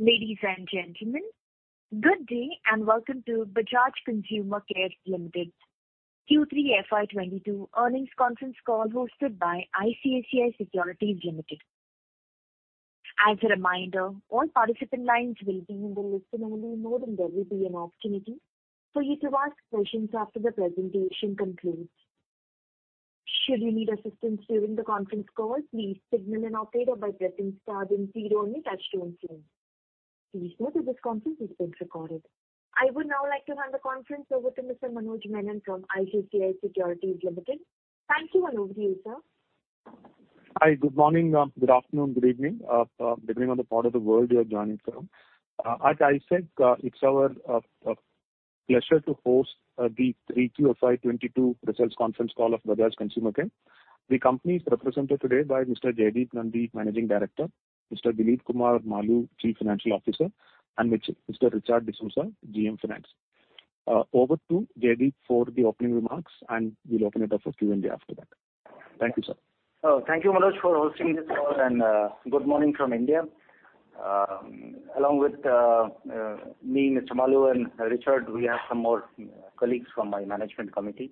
Ladies and gentlemen, good day and welcome to Bajaj Consumer Care Limited Q3 FY 2022 earnings conference call hosted by ICICI Securities Limited. As a reminder, all participant lines will be in the listen-only mode, and there will be an opportunity for you to ask questions after the presentation concludes. Should you need assistance during the conference call, please signal an operator by pressing star then zero on your touch-tone phone. Please note that this conference is being recorded. I would now like to hand the conference over to Mr. Manoj Menon from ICICI Securities Limited. Thank you, Manoj. To you, sir. Hi, good morning, good afternoon, good evening, depending on the part of the world you are joining from. As I said, it's our pleasure to host the Q3 FY 2022 results conference call of Bajaj Consumer Care. The company is represented today by Mr. Jaideep Nandi, Managing Director, Mr. Dilip Kumar Maloo, Chief Financial Officer, and Mr. Richard D'Souza, GM Finance. Over to Jaideep for the opening remarks, and we'll open it up for Q&A after that. Thank you, sir. Oh, thank you, Manoj, for hosting this call, and good morning from India. Along with me, Mr. Malu and Richard, we have some more colleagues from my management committee.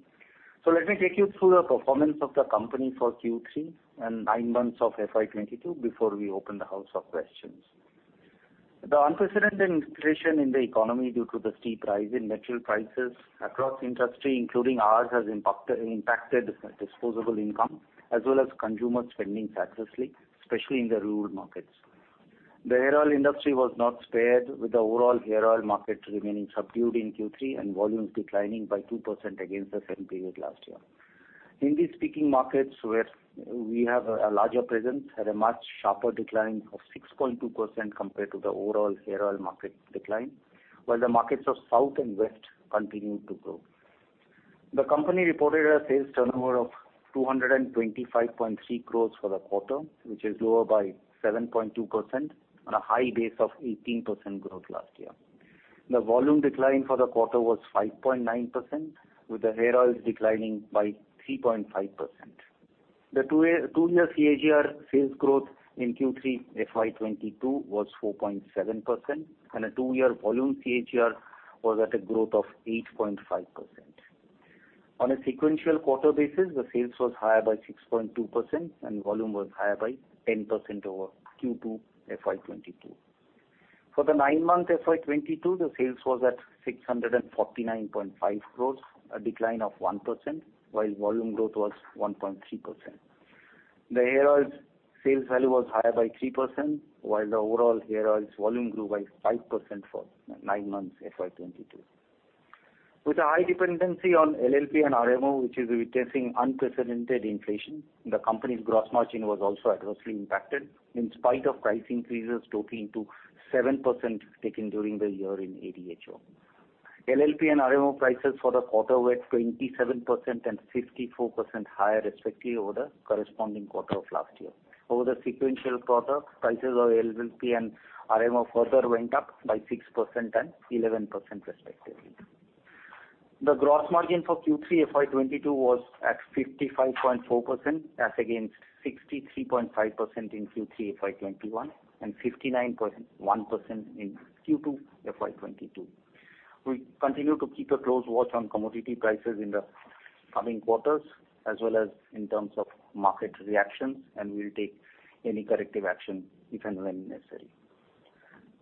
Let me take you through the performance of the company for Q3 and nine months of FY 2022 before we open the floor to questions. The unprecedented inflation in the economy due to the steep rise in material prices across industry, including ours, has impacted disposable income as well as consumer spending adversely, especially in the rural markets. The hair oil industry was not spared with the overall hair oil market remaining subdued in Q3 and volumes declining by 2% against the same period last year. Hindi speaking markets, where we have a larger presence, had a much sharper decline of 6.2% compared to the overall hair oil market decline, while the markets of South and West continued to grow. The company reported a sales turnover of 225.3 crores for the quarter, which is lower by 7.2% on a high base of 18% growth last year. The volume decline for the quarter was 5.9%, with the hair oils declining by 3.5%. The two-year CAGR sales growth in Q3 FY 2022 was 4.7%, and a two-year volume CAGR was at a growth of 8.5%. On a sequential quarter basis, the sales was higher by 6.2% and volume was higher by 10% over Q2 FY 2022. For the nine-month FY 2022, the sales was at 649.5 crores, a decline of 1%, while volume growth was 1.3%. The hair oils sales value was higher by 3%, while the overall hair oils volume grew by 5% for nine months FY 2022. With a high dependency on LLP and RMO, which is witnessing unprecedented inflation, the company's gross margin was also adversely impacted in spite of price increases totaling to 7% taken during the year in ADHO. LLP and RMO prices for the quarter were 27% and 54% higher, respectively, over the corresponding quarter of last year. Over the sequential quarter, prices of LLP and RMO further went up by 6% and 11%, respectively. The gross margin for Q3 FY 2022 was at 55.4% as against 63.5% in Q3 FY 2021 and 59.1% in Q2 FY 2022. We continue to keep a close watch on commodity prices in the coming quarters as well as in terms of market reactions, and we'll take any corrective action if and when necessary.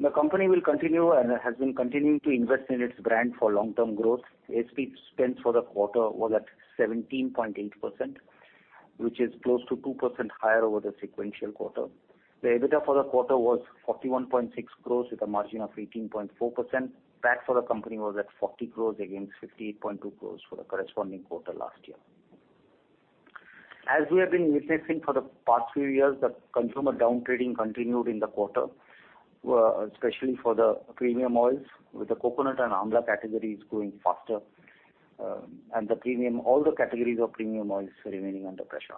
The company will continue and has been continuing to invest in its brand for long-term growth. A&P spends for the quarter was at 17.8%, which is close to 2% higher over the sequential quarter. The EBITDA for the quarter was 41.6 crores with a margin of 18.4%. The tax for the company was at 40 crores against 58.2 crores for the corresponding quarter last year. As we have been witnessing for the past few years, the consumer downtrading continued in the quarter, especially for the premium oils with the coconut and amla categories growing faster, and the premium, all the categories of premium oils remaining under pressure.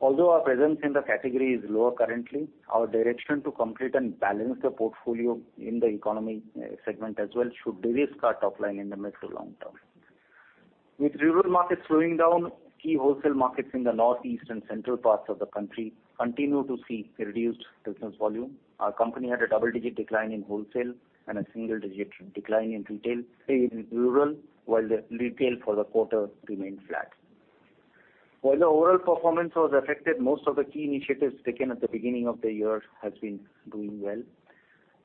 Although our presence in the category is lower currently, our direction to complete and balance the portfolio in the economy, segment as well should de-risk our top line in the mid to long term. With rural markets slowing down, key wholesale markets in the north, east and central parts of the country continue to see reduced business volume. Our company had a double-digit decline in wholesale and a single-digit decline in retail, in rural, while the retail for the quarter remained flat. While the overall performance was affected, most of the key initiatives taken at the beginning of the year has been doing well.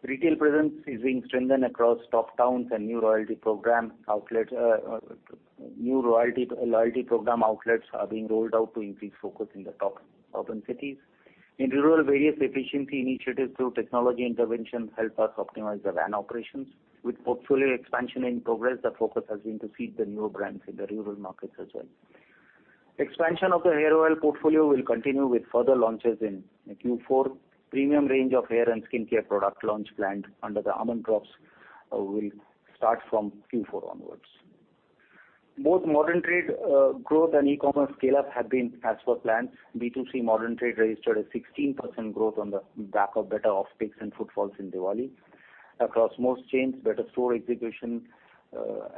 Retail presence is being strengthened across top towns and new loyalty program outlets are being rolled out to increase focus in the top urban cities. In rural, various efficiency initiatives through technology interventions help us optimize the van operations. With portfolio expansion in progress, the focus has been to seed the newer brands in the rural markets as well. Expansion of the hair oil portfolio will continue with further launches in Q4. Premium range of hair and skincare product launch planned under the Almond Drops will start from Q4 onwards. Both modern trade growth and e-commerce scale-up have been as per plans. B2C modern trade registered a 16% growth on the back of better off takes and footfalls in Diwali. Across most chains, better store execution,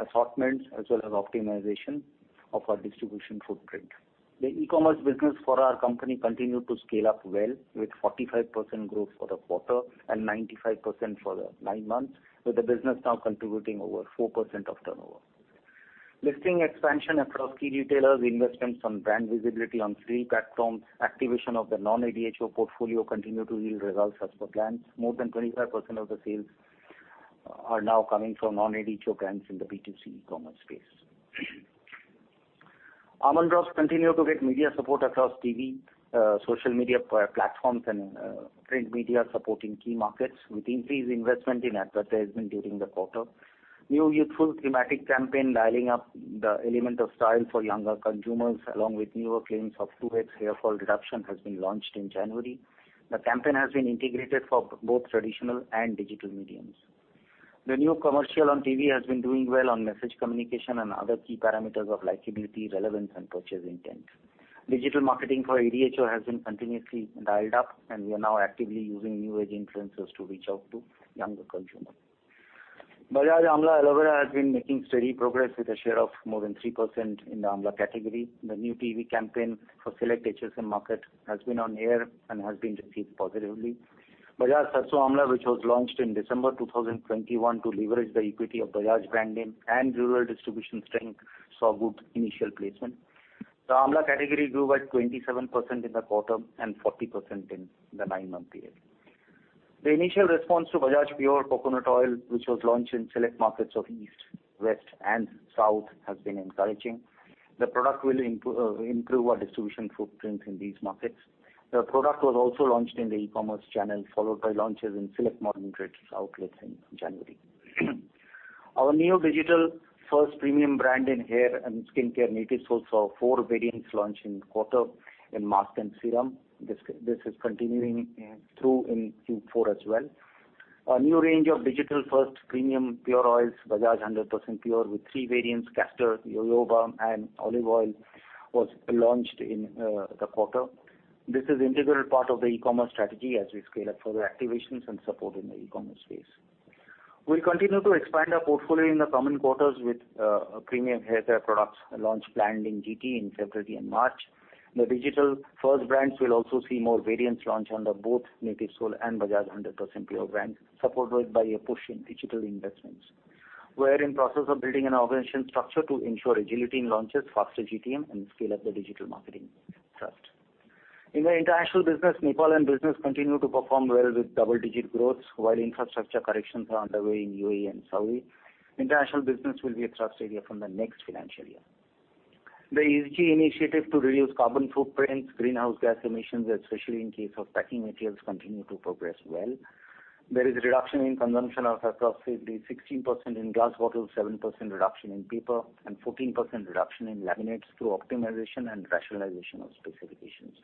assortments, as well as optimization of our distribution footprint. The e-commerce business for our company continued to scale up well, with 45% growth for the quarter and 95% for the nine months, with the business now contributing over 4% of turnover. Listing expansion across key retailers, investments on brand visibility on three platforms, activation of the non-ADHO portfolio continued to yield results as per plans. More than 25% of the sales are now coming from non-ADHO brands in the B2C e-commerce space. Almond Drops continue to get media support across TV, social media platforms and print media supporting key markets, with increased investment in advertisement during the quarter. New youthful thematic campaign dialing up the element of style for younger consumers, along with newer claims of 2x hair fall reduction, has been launched in January. The campaign has been integrated for both traditional and digital mediums. The new commercial on TV has been doing well on message communication and other key parameters of likability, relevance, and purchase intent. Digital marketing for ADHO has been continuously dialed up, and we are now actively using new age influencers to reach out to younger consumers. Bajaj Amla Aloe Vera has been making steady progress with a share of more than 3% in the Amla category. The new TV campaign for select HSM market has been on air and has been received positively. Bajaj Sarson Amla, which was launched in December 2021 to leverage the equity of Bajaj brand name and rural distribution strength, saw good initial placement. The Amla category grew at 27% in the quarter and 40% in the nine-month period. The initial response to Bajaj Pure Coconut Oil, which was launched in select markets of east, west and south, has been encouraging. The product will improve our distribution footprint in these markets. The product was also launched in the e-commerce channel, followed by launches in select modern trade outlets in January. Our new digital-first premium brand in hair and skincare, Natyv Soul, saw four variants launch in the quarter in mask and serum. This is continuing through Q4 as well. A new range of digital-first premium pure oils, Bajaj 100% Pure, with three variants, castor, jojoba and olive oil, was launched in the quarter. This is integral part of the e-commerce strategy as we scale up further activations and support in the e-commerce space. We'll continue to expand our portfolio in the coming quarters with premium haircare products launch planned in GT in February and March. The digital first brands will also see more variants launch under both Natyv Soul and Bajaj 100% Pure brands, supported by a push in digital investments. We're in process of building an organization structure to ensure agility in launches, faster GTM and scale up the digital marketing thrust. In the international business, Nepal and Bangladesh business continue to perform well with double-digit growth, while infrastructure corrections are underway in UAE and Saudi. International business will be a thrust area from the next financial year. The ESG initiative to reduce carbon footprints, greenhouse gas emissions, especially in case of packaging materials, continue to progress well. There is reduction in consumption of approximately 16% in glass bottles, 7% reduction in paper, and 14% reduction in laminates through optimization and rationalization of specifications.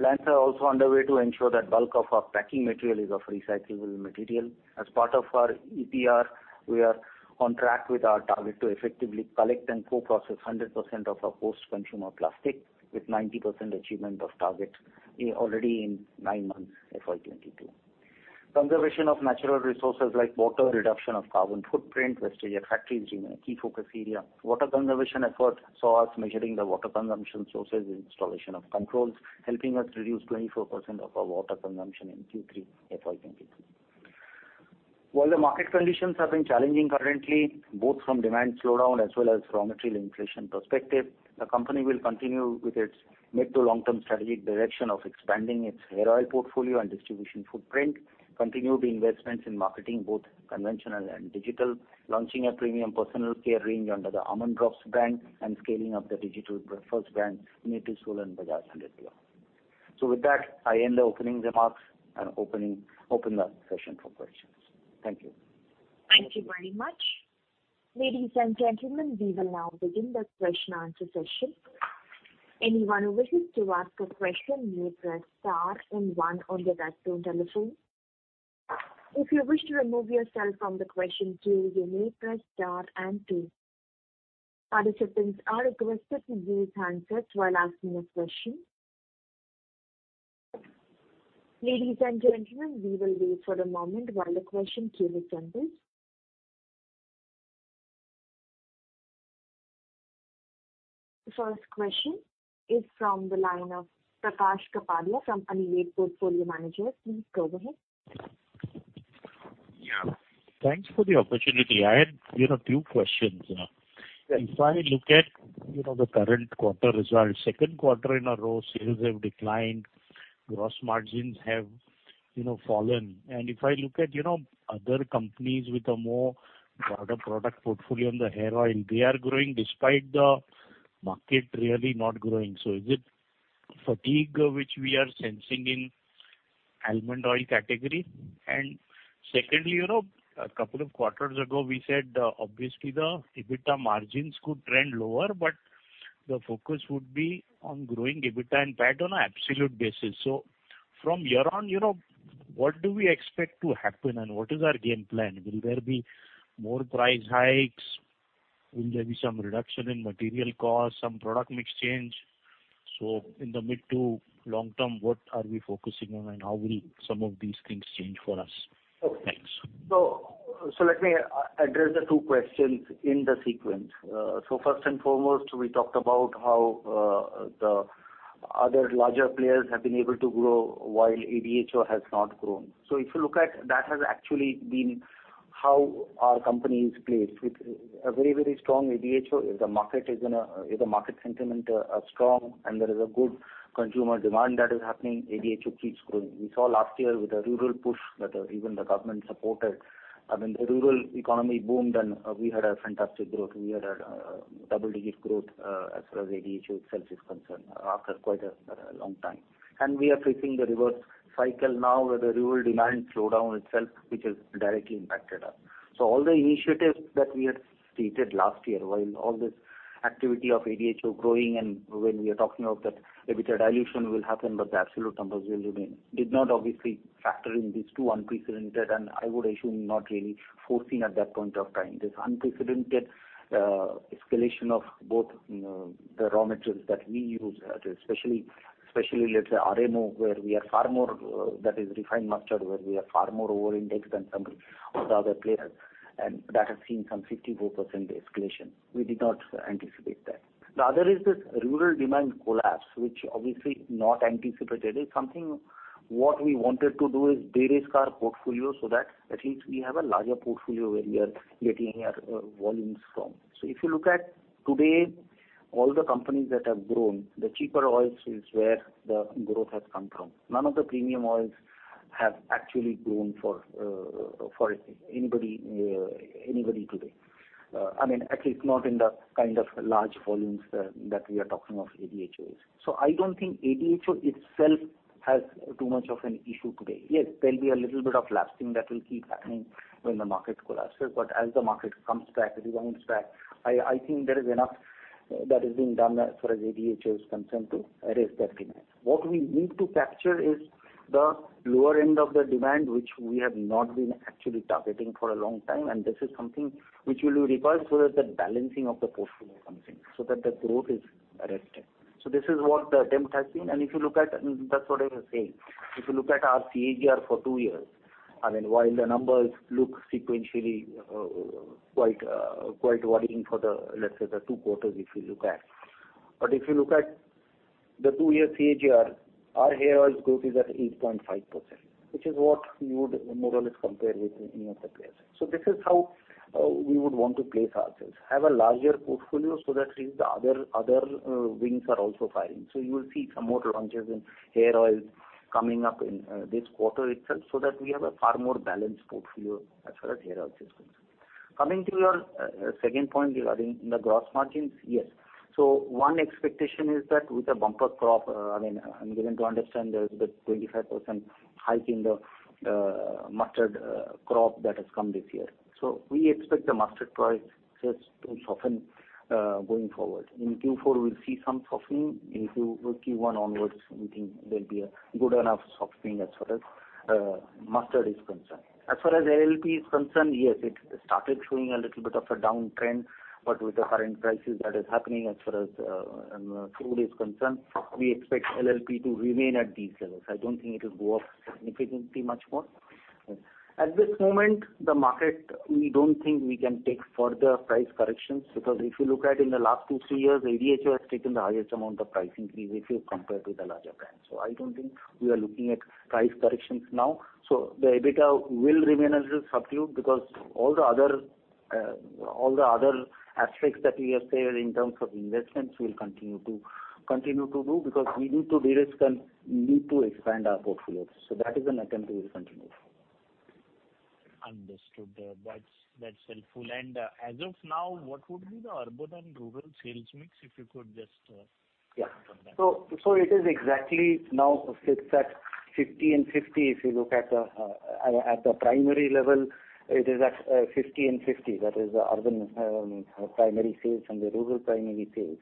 Plans are also underway to ensure that bulk of our packaging material is of recyclable material. As part of our EPR, we are on track with our target to effectively collect and co-process 100% of our post-consumer plastic, with 90% achievement of target already in nine months FY 2022. Conservation of natural resources like water, reduction of carbon footprint, wastage at factory is, you know, a key focus area. Water conservation efforts saw us measuring the water consumption sources and installation of controls, helping us reduce 24% of our water consumption in Q3 FY 2023. While the market conditions have been challenging currently, both from demand slowdown as well as raw material inflation perspective, the company will continue with its mid- to long-term strategic direction of expanding its hair oil portfolio and distribution footprint, continue the investments in marketing, both conventional and digital, launching a premium personal care range under the Almond Drops brand and scaling up the digital-first brand, Natyv Soul and Bajaj 100% Pure. With that, I end the opening remarks and open the session for questions. Thank you. Thank you very much. Ladies and gentlemen, we will now begin the Q&A session. Anyone who wishes to ask a question may press star and one on their telephone. If you wish to remove yourself from the question queue, you may press star and two. Participants are requested to mute handsets while asking a question. Ladies and gentlemen, we will wait for a moment while the question queue is handled. The first question is from the line of Prakash Kapadia from Anived Portfolio Managers. Please go ahead. Yeah. Thanks for the opportunity. I had, you know, few questions. If I look at, you know, the current quarter results, second quarter in a row, sales have declined, gross margins have, you know, fallen. If I look at, you know, other companies with a more broader product portfolio on the hair oil, they are growing despite the market really not growing. Is it fatigue which we are sensing in almond oil category? And secondly, you know, a couple of quarters ago we said, obviously the EBITDA margins could trend lower, but the focus would be on growing EBITDA and PAT on an absolute basis. From here on, you know, what do we expect to happen and what is our game plan? Will there be more price hikes? Will there be some reduction in material costs, some product mix change? In the mid to long term, what are we focusing on and how will some of these things change for us? Thanks. Let me address the two questions in the sequence. First and foremost, we talked about how the other larger players have been able to grow while ADHO has not grown. If you look at that has actually been how our company is placed. With a very strong ADHO, if the market sentiment are strong and there is a good consumer demand that is happening, ADHO keeps growing. We saw last year with the rural push that even the government supported, I mean, the rural economy boomed and we had a fantastic growth. We had double-digit growth as far as ADHO itself is concerned after quite a long time. We are facing the reverse cycle now with the rural demand slowdown itself, which has directly impacted us. All the initiatives that we had stated last year while all this activity of ADHO growing and when we are talking of that EBITDA dilution will happen, but the absolute numbers will remain, did not obviously factor in these two unprecedented, and I would assume not really foreseen at that point of time, this unprecedented escalation of both, you know, the raw materials that we use, especially let's say RMO, where we are far more, that is refined mustard, where we are far more over-indexed than some of the other players. That has seen some 54% escalation. We did not anticipate that. The other is this rural demand collapse, which obviously not anticipated. It's something what we wanted to do is de-risk our portfolio so that at least we have a larger portfolio where we are getting our volumes from. If you look at today, all the companies that have grown, the cheaper oils is where the growth has come from. None of the premium oils have actually grown for anybody today. I mean, at least not in the kind of large volumes that we are talking of ADHO as. I don't think ADHO itself has too much of an issue today. Yes, there'll be a little bit of lapsing that will keep happening when the market collapses. As the market comes back, rebounds back, I think there is enough that is being done as far as ADHO is concerned to erase that demand. What we need to capture is the lower end of the demand, which we have not been actually targeting for a long time. This is something which will require so that the balancing of the portfolio comes in, so that the growth is arrested. This is what the attempt has been. If you look at, that's what I was saying. If you look at our CAGR for two years, I mean, while the numbers look sequentially quite worrying for the, let's say, the two quarters if you look at. If you look at the two-year CAGR, our hair oil growth is at 8.5%, which is what you would more or less compare with any of the players. This is how we would want to place ourselves. Have a larger portfolio so that at least the other wings are also firing. You will see some more launches in hair oils coming up in this quarter itself so that we have a far more balanced portfolio as far as hair oils is concerned. Coming to your second point regarding the gross margins. Yes. One expectation is that with a bumper crop, I mean, I'm given to understand there's a 25% hike in the mustard crop that has come this year. We expect the mustard price just to soften going forward. In Q4, we'll see some softening. Into Q1 onwards, we think there'll be a good enough softening as far as mustard is concerned. As far as LLP is concerned, yes, it started showing a little bit of a downtrend. With the current prices that is happening as far as food is concerned, we expect LLP to remain at these levels. I don't think it'll go up significantly much more. At this moment, the market, we don't think we can take further price corrections, because if you look at in the last two to three years, ADHO has taken the highest amount of pricing increases compared to the larger brands. I don't think we are looking at price corrections now. The EBITDA will remain a little subdued because all the other aspects that we have said in terms of investments, we'll continue to do because we need to de-risk and we need to expand our portfolios. That is an attempt we will continue. Understood. That's helpful. As of now, what would be the urban and rural sales mix, if you could just? Yeah. Comment on that. It exactly now sits at 50-50. If you look at the primary level, it is at 50-50. That is the urban primary sales and the rural primary sales.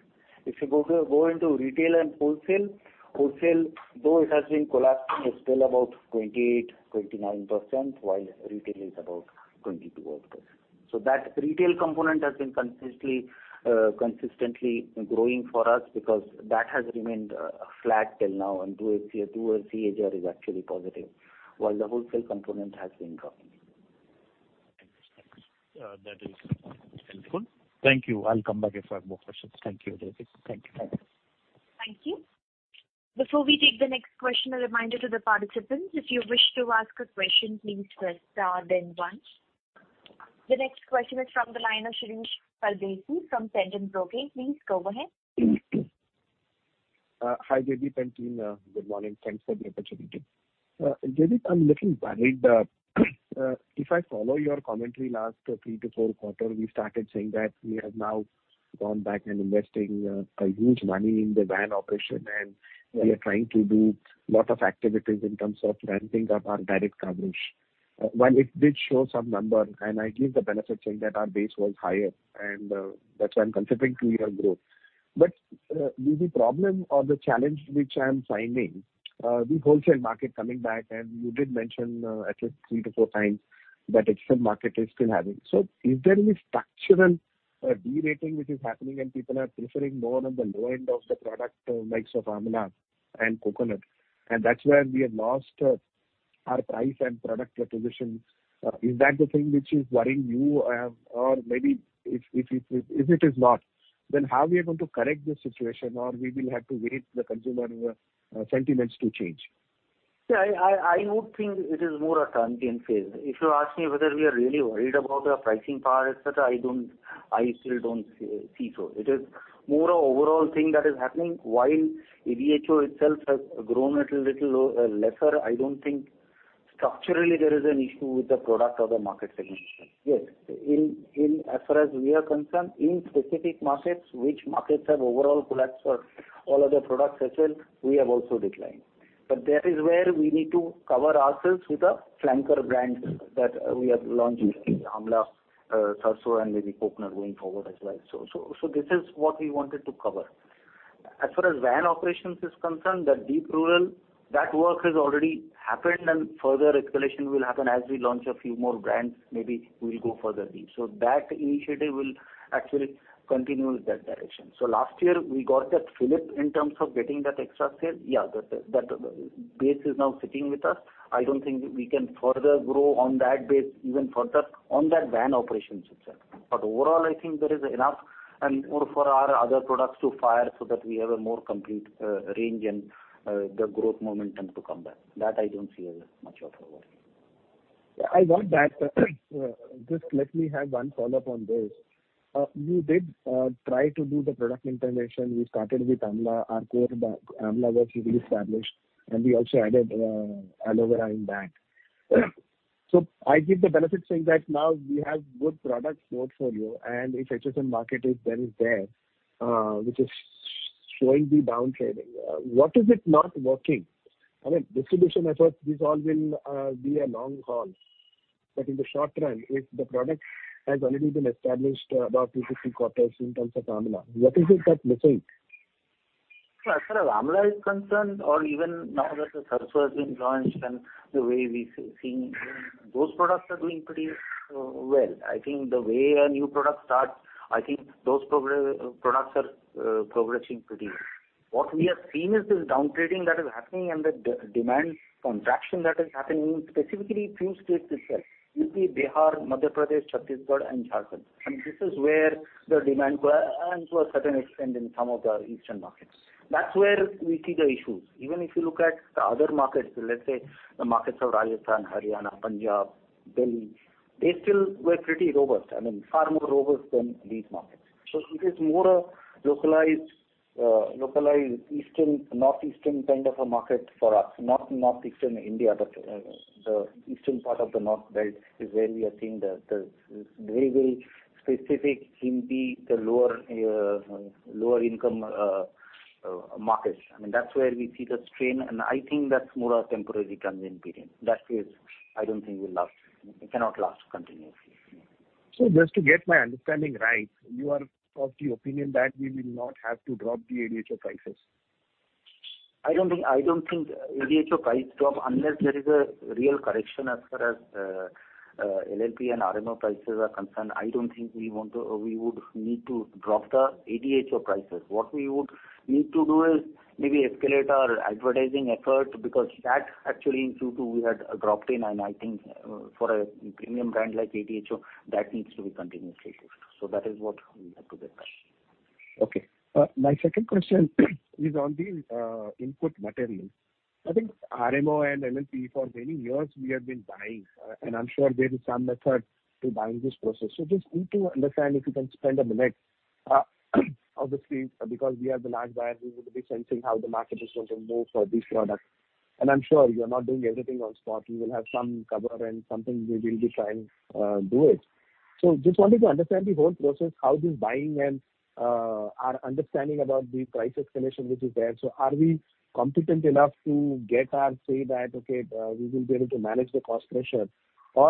If you go into retail and wholesale, though it has been collapsing, it's still about 28%-29%, while retail is about 22-odd%. That retail component has been consistently growing for us because that has remained flat till now, and two-year CAGR is actually positive, while the wholesale component has been growing. Understood. That is helpful. Thank you. I'll come back if I have more questions. Thank you, Jaideep. Thank you. Thank you. Thank you. Before we take the next question, a reminder to the participants, if you wish to ask a question, please press star then one. The next question is from the line of Shirish Pardeshi from Centrum Broking. Please go ahead. Hi, Jaideep and team. Good morning. Thanks for the opportunity. Jaideep, I'm little worried. If I follow your commentary last three to four quarters, we started saying that we have now gone back and investing a huge money in the van operation, and we are trying to do lot of activities in terms of ramping up our direct coverage. While it did show some number, and I give the benefit saying that our base was higher, and that's why I'm considering two-year growth. The problem or the challenge which I'm finding, the wholesale market coming back, and you did mention at least three to four times that HSM market is still having. Is there any structural derating which is happening and people are preferring more on the low end of the product likes of Amla and Coconut, and that's where we have lost our price and product reposition? Is that the thing which is worrying you? Or maybe if it is not, then how we are going to correct this situation or we will have to wait the consumer sentiments to change? Yeah, I would think it is more a transient phase. If you ask me whether we are really worried about the pricing power, et cetera, I don't. I still don't see so. It is more an overall thing that is happening. While ADHO itself has grown a little lesser, I don't think structurally there is an issue with the product or the market segmentation. Yes, as far as we are concerned, in specific markets, which markets have overall collapsed for all other products as well, we have also declined. But that is where we need to cover ourselves with the flanker brands that we are launching, like Amla, Sarso, and maybe Coconut going forward as well. So this is what we wanted to cover. As far as van operations is concerned, the deep rural, that work has already happened and further escalation will happen as we launch a few more brands. Maybe we'll go further deep. That initiative will actually continue in that direction. Last year we got that fillip in terms of getting that extra sale. Yeah, that base is now sitting with us. I don't think we can further grow on that base even further on that van operations itself. Overall I think there is enough and more for our other products to fire so that we have a more complete, range and, the growth momentum to come back. That I don't see as much of a worry. Yeah, I want that. Just let me have one follow-up on this. You did try to do the product integration. We started with Amla. Our core Amla was really established, and we also added Aloe Vera in that. I give the benefit saying that now we have good product portfolio, and if HSM market is there, which is showing the downtrending. What is it not working? I mean, distribution efforts, these all will be a long haul. In the short run, if the product has already been established about two to three quarters in terms of Amla, what is it that missing? As far as Amla is concerned, or even now that the Sarson has been launched and the way we seeing, those products are doing pretty well. I think the way a new product starts, I think those products are progressing pretty well. What we have seen is this downtrading that is happening and the demand contraction that is happening specifically a few states itself, UP, Bihar, Madhya Pradesh, Chhattisgarh, and Jharkhand. This is where the demand was, and to a certain extent in some of the eastern markets. That's where we see the issues. Even if you look at the other markets, let's say the markets of Rajasthan, Haryana, Punjab, Delhi, they still were pretty robust, I mean, far more robust than these markets. It is more a localized eastern, northeastern kind of a market for us, north-northeastern India, the eastern part of the north belt is where we are seeing the very specific UP, the lower income markets. I mean, that's where we see the strain, and I think that's more a temporary transient period. That phase I don't think will last, it cannot last continuously. Just to get my understanding right, you are of the opinion that we will not have to drop the ADHO prices? I don't think ADHO price drop unless there is a real correction as far as LLP and RMO prices are concerned. I don't think we want to or we would need to drop the ADHO prices. What we would need to do is maybe escalate our advertising effort because that actually in Q2 we had dropped in, and I think for a premium brand like ADHO, that needs to be continuously pushed. That is what we have to discuss. Okay. My second question is on the input material. I think RMO and LLP for many years we have been buying, and I'm sure there is some method to buying this process. Just need to understand if you can spend a minute. Obviously, because we are the large buyer, we would be sensing how the market is going to move for these products. And I'm sure you're not doing everything on spot. You will have some cover and something we will be trying do it. Just wanted to understand the whole process, how this buying and our understanding about the price escalation which is there. Are we competent enough to get our say that, okay, we will be able to manage the cost pressure? We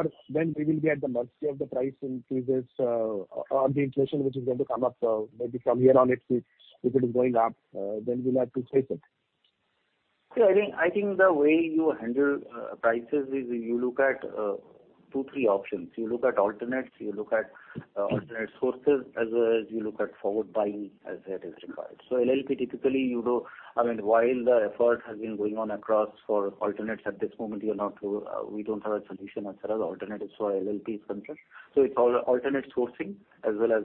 will be at the mercy of the price increases or the inflation which is going to come up, maybe from here on, if it is going up, then we'll have to face it. I think the way you handle prices is you look at two, three options. You look at alternates, you look at alternate sources, as well as you look at forward buying as that is required. LLP typically you do. I mean, while the effort has been going on across for alternates, at this moment, we don't have a solution as far as alternatives for LLP is concerned. It's all alternate sourcing as well as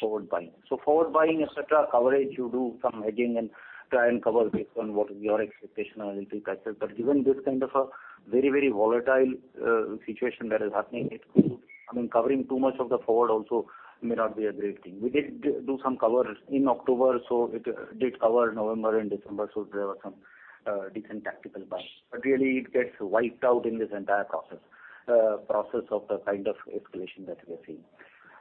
forward buying. Forward buying et cetera, coverage, you do some hedging and try and cover based on what is your expectation on LLP prices. Given this kind of a very volatile situation that is happening, it's, I mean, covering too much of the forward also may not be a great thing. We did do some cover in October, so it did cover November and December, so there were some decent tactical buys. But really it gets wiped out in this entire process of the kind of escalation that we are seeing.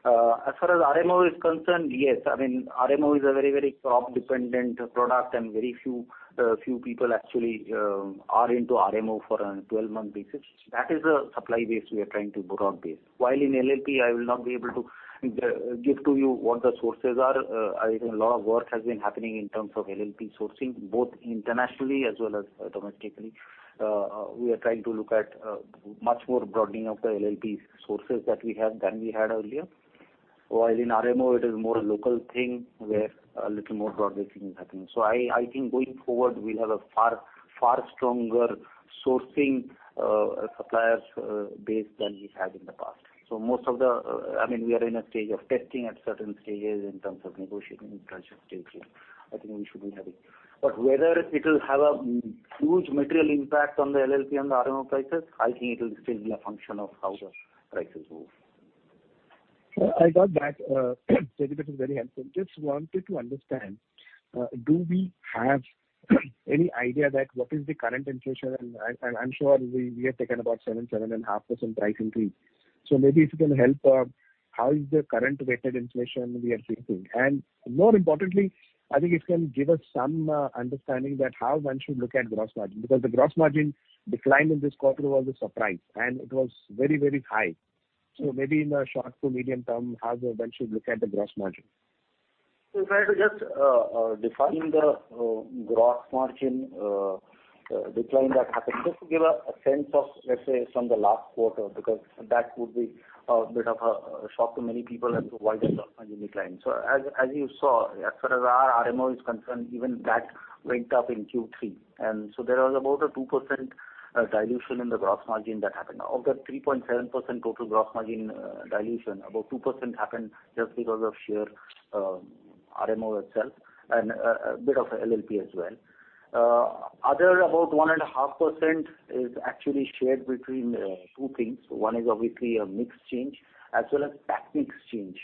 As far as RMO is concerned, yes. I mean, RMO is a very, very crop-dependent product, and very few people actually are into RMO for a twelve-month basis. That is a supply base we are trying to put in place. While in LLP, I will not be able to give you what the sources are. I think a lot of work has been happening in terms of LLP sourcing, both internationally as well as domestically. We are trying to look at much more broadening of the LLP sources that we have than we had earlier. While in RMO, it is more a local thing where a little more broad-based thing is happening. I think going forward, we'll have a far stronger sourcing suppliers base than we've had in the past. I mean, we are in a stage of testing at certain stages in terms of negotiating such stages. I think we should be having. Whether it'll have a huge material impact on the LLP and the RMO prices, I think it'll still be a function of how the prices move. Sir, I got that. That bit is very helpful. Just wanted to understand, do we have any idea that what is the current inflation? I'm sure we have taken about 7.5% price increase. Maybe if you can help, how is the current weighted inflation we are facing? More importantly, I think it can give us some understanding that how one should look at gross margin, because the gross margin decline in this quarter was a surprise, and it was very, very high. Maybe in the short to medium term, how one should look at the gross margin. If I had to just define the gross margin decline that happened, just to give a sense of, let's say, from the last quarter, because that would be a bit of a shock to many people as to why the gross margin declined. As you saw, as far as our RMO is concerned, even that went up in Q3. There was about a 2% dilution in the gross margin that happened. Of that 3.7% total gross margin dilution, about 2% happened just because of sheer RMO itself and a bit of LLP as well. Other about 1.5% is actually shared between two things. One is obviously a mix change as well as tax mix change.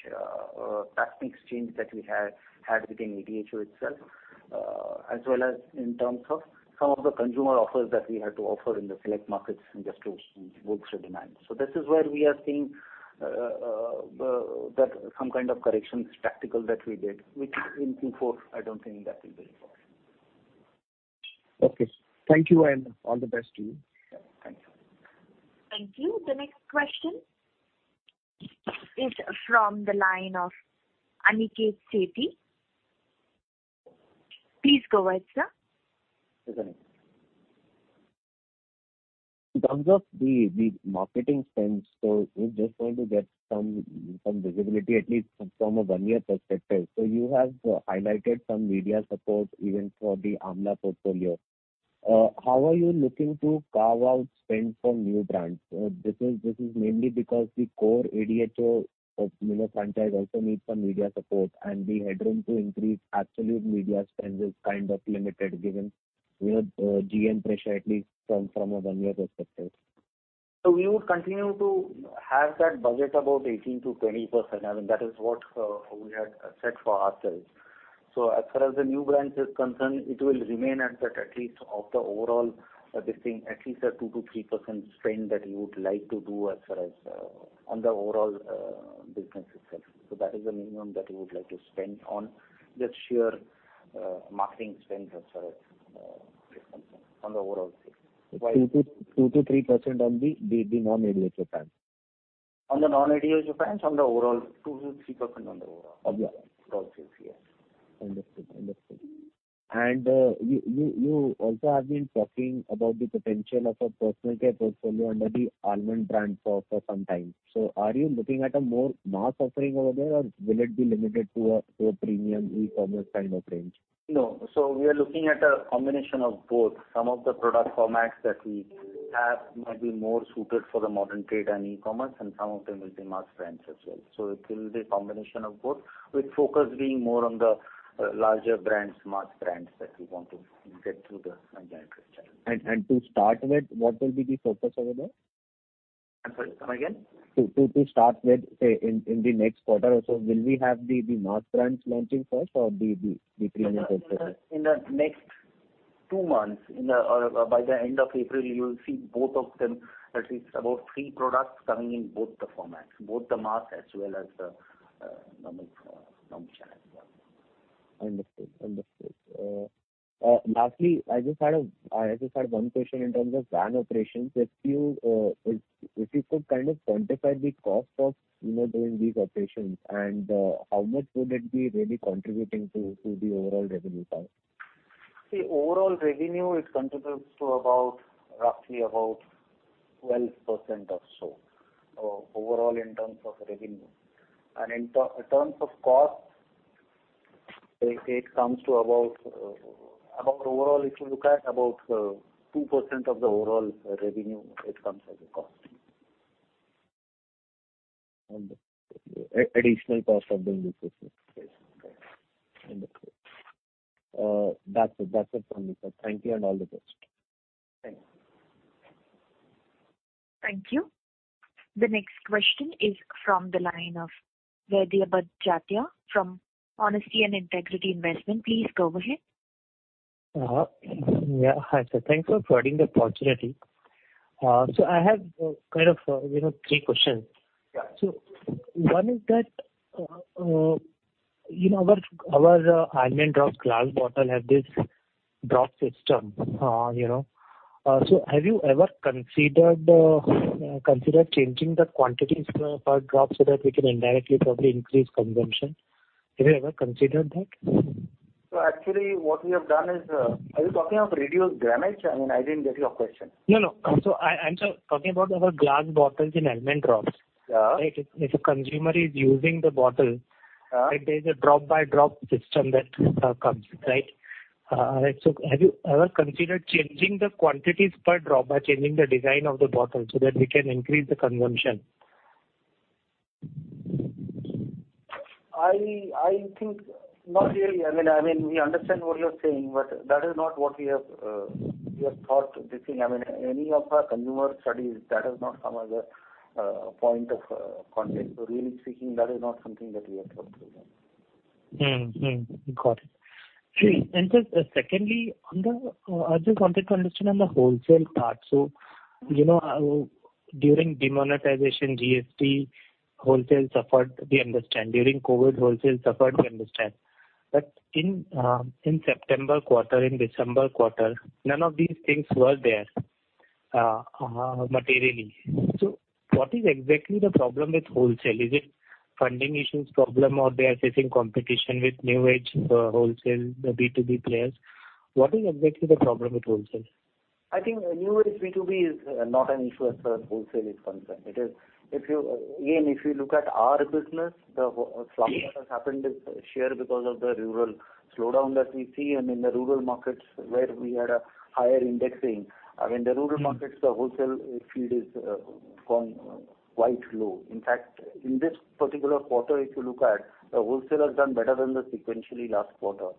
The tax mix change that we had within ADHO itself, as well as in terms of some of the consumer offers that we had to offer in the select markets just to boost the demand. This is where we are seeing that some kind of tactical corrections that we did, which in Q4, I don't think that will be required. Okay. Thank you and all the best to you. Thank you. Thank you. The next question is from the line of Aniket Sethi. Please go ahead, sir. Yes, Aniket. In terms of the marketing spend, we're just trying to get some visibility, at least from a one-year perspective. You have highlighted some media support even for the Amla portfolio. How are you looking to carve out spend for new brands? This is mainly because the core ADHO, you know, franchise also needs some media support, and the headroom to increase absolute media spend is kind of limited given, you know, GM pressure, at least from a one-year perspective. We would continue to have that budget about 18%-20%. I mean, that is what we had set for ourselves. As far as the new brands is concerned, it will remain at that, at least of the overall this thing, at least a 2%-3% spend that we would like to do as far as on the overall business itself. That is the minimum that we would like to spend on just sheer marketing spend as far as is concerned on the overall thing. While 2%-3% on the non-ADHO brands. On the non-ADHO brands, on the overall, 2%-3% on the overall. On the overall. Gross sales, yes. Understood. You also have been talking about the potential of a personal care portfolio under the Almond brand for some time. Are you looking at a more mass offering over there, or will it be limited to a premium e-commerce kind of range? No. We are looking at a combination of both. Some of the product formats that we have might be more suited for the modern trade and e-commerce, and some of them will be mass brands as well. It will be a combination of both, with focus being more on the larger brands, mass brands that we want to get through the online retail channel. To start with, what will be the focus over there? I'm sorry. Come again. To start with, say in the next quarter or so, will we have the mass brands launching first or the premium portfolio? In the next two months or by the end of April, you'll see both of them, at least about three products coming in both the formats, both the mass as well as the premium functional as well. Understood. Lastly, I just had one question in terms of van operations. If you could kind of quantify the cost of, you know, doing these operations and how much would it be really contributing to the overall revenue part? See, overall revenue, it contributes to about, roughly about 12% or so, overall in terms of revenue. In terms of cost, it comes to about overall, if you look at about 2% of the overall revenue, it comes as a cost. Understood. Additional cost of doing business. Yes. Understood. That's it from me, sir. Thank you and all the best. Thanks. Thank you. The next question is from the line of Vaibhav Badjatya from Honesty and Integrity Investment. Please go ahead. Yeah. Hi, sir. Thanks for providing the opportunity. So I have kind of you know three questions. Yeah. One is that, you know, our Almond Drops glass bottle have this drop system, you know. Have you ever considered changing the quantities per drop so that we can indirectly probably increase consumption? Have you ever considered that? Actually, what we have done is. Are you talking of reduced grammage? I mean, I didn't get your question. No, no. I'm talking about our glass bottles in Almond Drops. Yeah. If a consumer is using the bottle. Uh-huh. There's a drop by drop system that comes, right? Have you ever considered changing the quantities per drop by changing the design of the bottle so that we can increase the consumption? I think not really. I mean, we understand what you're saying, but that is not what we have thought this thing. I mean, any of our consumer studies, that has not come as a point of context. Really speaking, that is not something that we have thought through. Mm-hmm. Mm-hmm. Got it. Yeah. Just secondly, on the wholesale part. I just wanted to understand on the wholesale part. You know, during demonetization, GST, wholesale suffered, we understand. During COVID, wholesale suffered, we understand. In September quarter, in December quarter, none of these things were there, materially. What is exactly the problem with wholesale? Is it funding issues problem or they are facing competition with new age wholesale, the B2B players? What is exactly the problem with wholesale? I think New Age B2B is not an issue as far as wholesale is concerned. It is, if you look at our business, the slump that has happened is sheer because of the rural slowdown that we see. I mean, the rural markets where we had a higher indexing. The rural markets, the wholesale field is gone quite low. In fact, in this particular quarter, if you look at the wholesale has done better than the sequentially last quarter.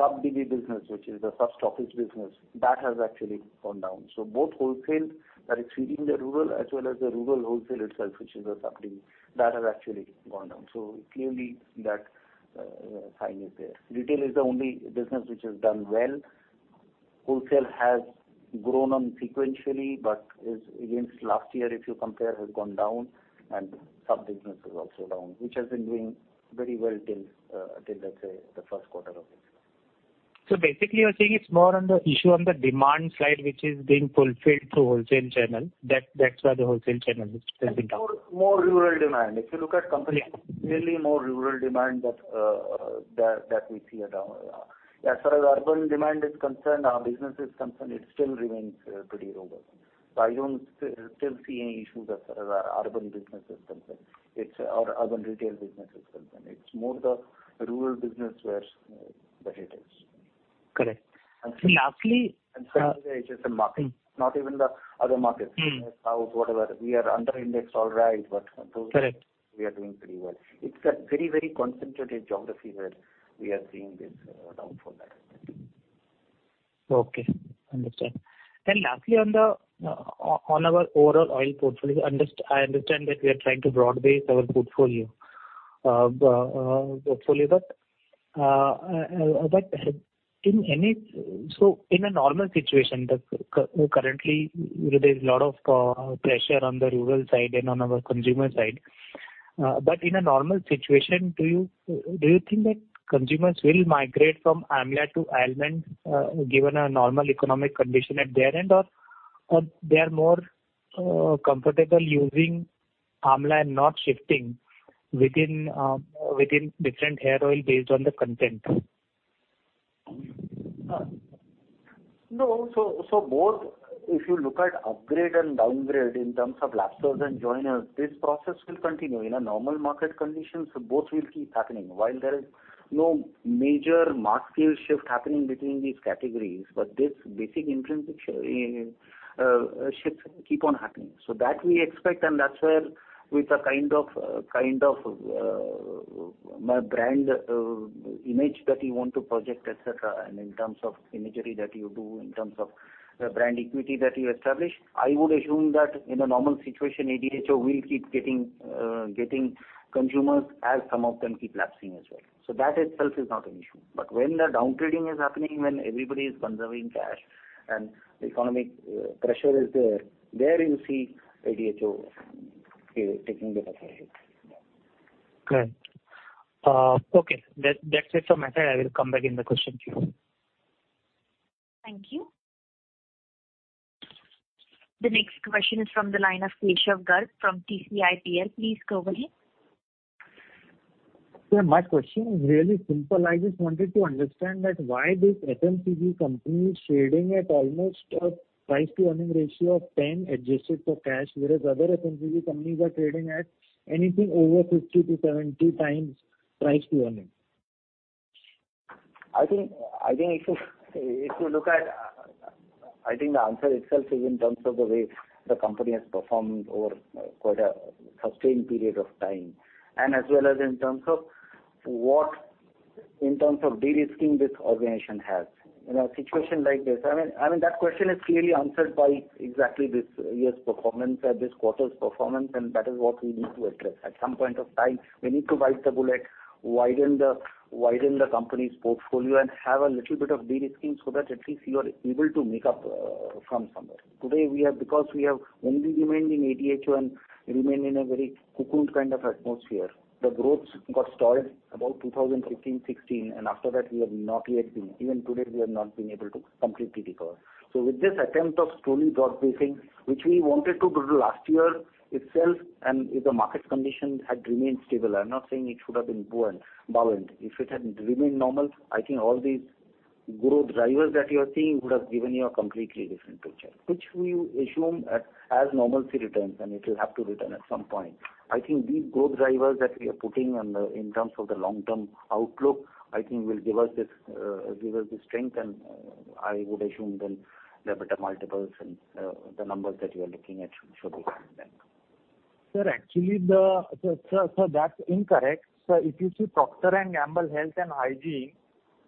The sub-stockist business, which is the sub-stockist business, that has actually gone down. Both wholesale that is feeding the rural as well as the rural wholesale itself, which is the sub-stockist, that has actually gone down. Clearly that sign is there. Retail is the only business which has done well. Wholesale has grown sequentially, but is against last year if you compare. It has gone down and sub business is also down, which has been doing very well till let's say the first quarter of this year. Basically you're saying it's more on the issue on the demand side which is being fulfilled through wholesale channel. That's why the wholesale channel is trending down. More rural demand. If you look at company. Yeah. Clearly more rural demand that we see is down. As far as urban demand is concerned, our business, it still remains pretty robust. I still don't see any issue as far as our urban business or urban retail business is concerned. It's more the rural business where the hit is. Correct. Lastly. Sadly, it's just the markets, not even the other markets. Mm-hmm. South, whatever, we are under indexed, all right, but. Correct. We are doing pretty well. It's a very, very concentrated geography where we are seeing this downfall that I said. Lastly on our overall oil portfolio, I understand that we are trying to broad base our portfolio. In a normal situation, currently, there's a lot of pressure on the rural side and on our consumer side. In a normal situation, do you think that consumers will migrate from Amla to Almond, given a normal economic condition at their end? Or, they are more comfortable using Amla and not shifting within different hair oil based on the content? No. Both if you look at upgrade and downgrade in terms of lapsed stores and joiners, this process will continue. In normal market conditions, both will keep happening. While there is no major mass scale shift happening between these categories, but this basic intrinsic shifts keep on happening. That we expect, and that's where with a kind of brand image that you want to project, et cetera, and in terms of imagery that you do, in terms of the brand equity that you establish, I would assume that in a normal situation, ADHO will keep getting consumers as some of them keep lapsing as well. That itself is not an issue. When the downtrading is happening, when everybody is conserving cash and the economic pressure is there you see ADHO taking the hit. Correct. Okay. That, that's it from my side. I will come back in the question queue. Thank you. The next question is from the line of Keshav Garg from CCIPL. Please go ahead. Yeah, my question is really simple. I just wanted to understand why this FMCG company is trading at almost a price-to-earnings ratio of 10 adjusted for cash, whereas other FMCG companies are trading at anything over 50-70 times price-to-earnings? I think if you look at, I think the answer itself is in terms of the way the company has performed over quite a sustained period of time, and as well as in terms of de-risking this organization has. In a situation like this, I mean, that question is clearly answered by exactly this year's performance or this quarter's performance, and that is what we need to address. At some point of time, we need to bite the bullet, widen the company's portfolio and have a little bit of de-risking so that at least you are able to make up from somewhere. Because we have only remained in ADHO and remain in a very cocooned kind of atmosphere, the growth got stalled about 2015-2016, and after that we have not yet been able to completely recover. Even today, we have not been able to completely recover. With this attempt of slowly broad-basing, which we wanted to do last year itself, and if the market condition had remained stable, I'm not saying it should have been balanced. If it had remained normal, I think all these growth drivers that you are seeing would have given you a completely different picture, which we assume as normalcy returns, and it will have to return at some point. I think these growth drivers that we are putting in terms of the long-term outlook, I think will give us the strength and I would assume then the better multiples and the numbers that you are looking at should be fine then. Sir, actually, that's incorrect. If you see Procter & Gamble Hygiene and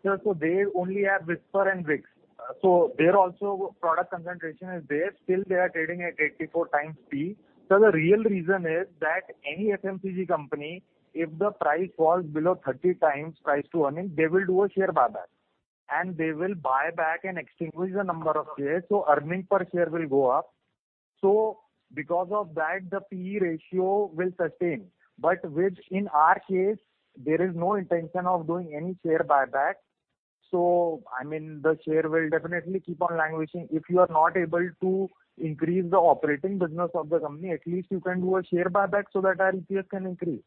Health Care, sir, they only have Whisper and Vicks. There also product concentration is there. Still they are trading at 84x P/E. Sir, the real reason is that any FMCG company, if the price falls below 30x price to earnings, they will do a share buyback. They will buy back and extinguish the number of shares, so earnings per share will go up. Because of that, the P/E ratio will sustain. In our case, there is no intention of doing any share buyback. I mean, the share will definitely keep on languishing. If you are not able to increase the operating business of the company, at least you can do a share buyback so that our EPS can increase.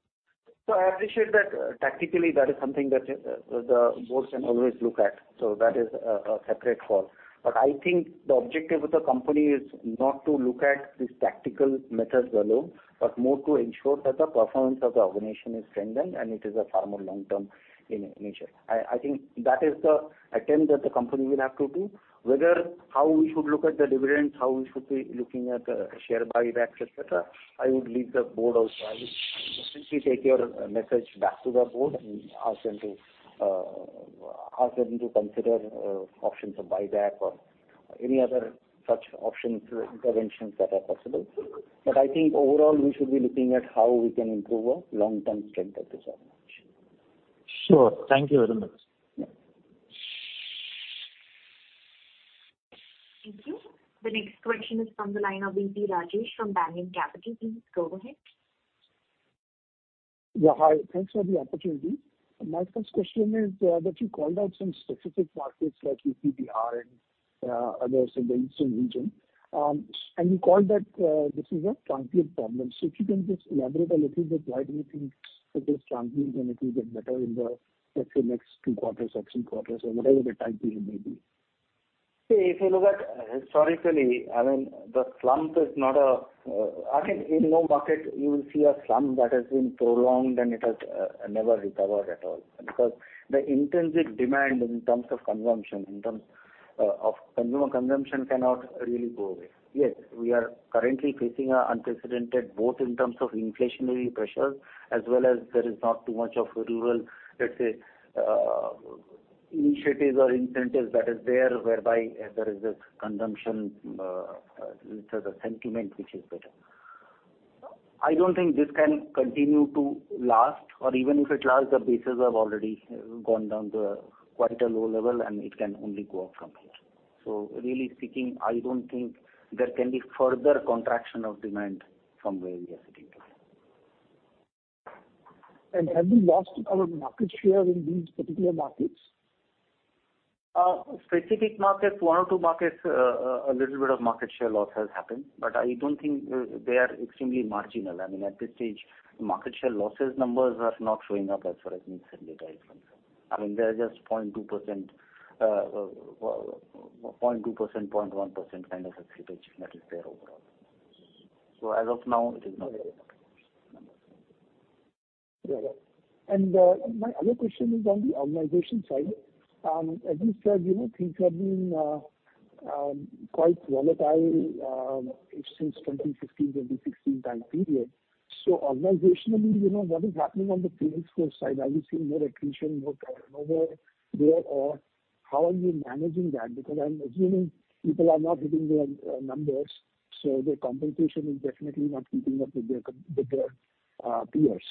I appreciate that. Tactically, that is something that the board can always look at. That is a separate call. I think the objective of the company is not to look at these tactical methods alone, but more to ensure that the performance of the organization is strengthened and it is a far more long-term in nature. I think that is the attempt that the company will have to do. Whether how we should look at the dividends, how we should be looking at share buybacks, et cetera, I would leave the board also. I will simply take your message back to the board and ask them to consider options of buyback or any other such options or interventions that are possible. I think overall, we should be looking at how we can improve our long-term strength of this organization. Sure. Thank you very much. Yeah. Thank you. The next question is from the line of V.P. Rajesh from Banyan Capital. Please go ahead. Yeah, hi. Thanks for the opportunity. My first question is that you called out some specific markets like UP, Bihar and others in the eastern region. You called that this is a transient problem. If you can just elaborate a little bit why do you think it is transient and it will get better in the, let's say, next two quarters or three quarters or whatever the time period may be. See, if you look at historically, I mean, the slump is not a. I think in no market you will see a slump that has been prolonged and it has never recovered at all. Because the intrinsic demand in terms of consumption, in terms of consumer consumption cannot really go away. Yes, we are currently facing an unprecedented, both in terms of inflationary pressures as well as there is not too much of rural, let's say, initiatives or incentives that is there whereby there is this consumption, let's say the sentiment which is better. I don't think this can continue to last or even if it lasts, the bases have already gone down to quite a low level and it can only go up from here. Really speaking, I don't think there can be further contraction of demand from where we are sitting today. Have you lost our market share in these particular markets? Specific markets, one or two markets, a little bit of market share loss has happened, but I don't think they are extremely marginal. I mean, at this stage, market share losses numbers are not showing up as far as we've seen the data itself. I mean, they're just 0.2%, 0.2%, 0.1% kind of a slippage that is there overall. As of now, it is not very much numbers. Yeah. My other question is on the organization side. As you said, you know, things have been quite volatile since 2015-2016 time period. Organizationally, you know, what is happening on the field force side? Are you seeing more attrition, more turnover there? Or how are you managing that? Because I'm assuming people are not hitting their numbers, so their compensation is definitely not keeping up with their peers.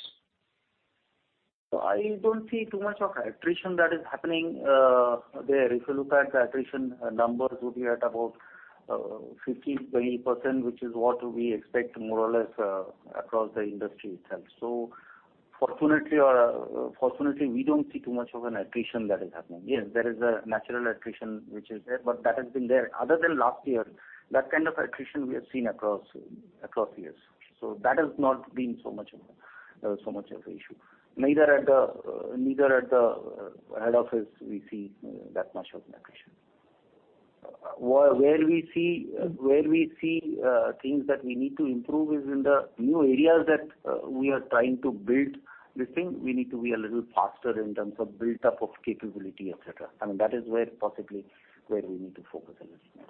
I don't see too much of attrition that is happening there. If you look at the attrition numbers would be at about 15%-20%, which is what we expect more or less across the industry itself. Fortunately, we don't see too much of an attrition that is happening. Yes, there is a natural attrition which is there, but that has been there. Other than last year, that kind of attrition we have seen across years. That has not been so much of an issue. Neither at the head office we see that much of an attrition. Where we see things that we need to improve is in the new areas that we are trying to build this thing. We need to be a little faster in terms of build up of capability, et cetera. I mean, that is where possibly we need to focus a little more.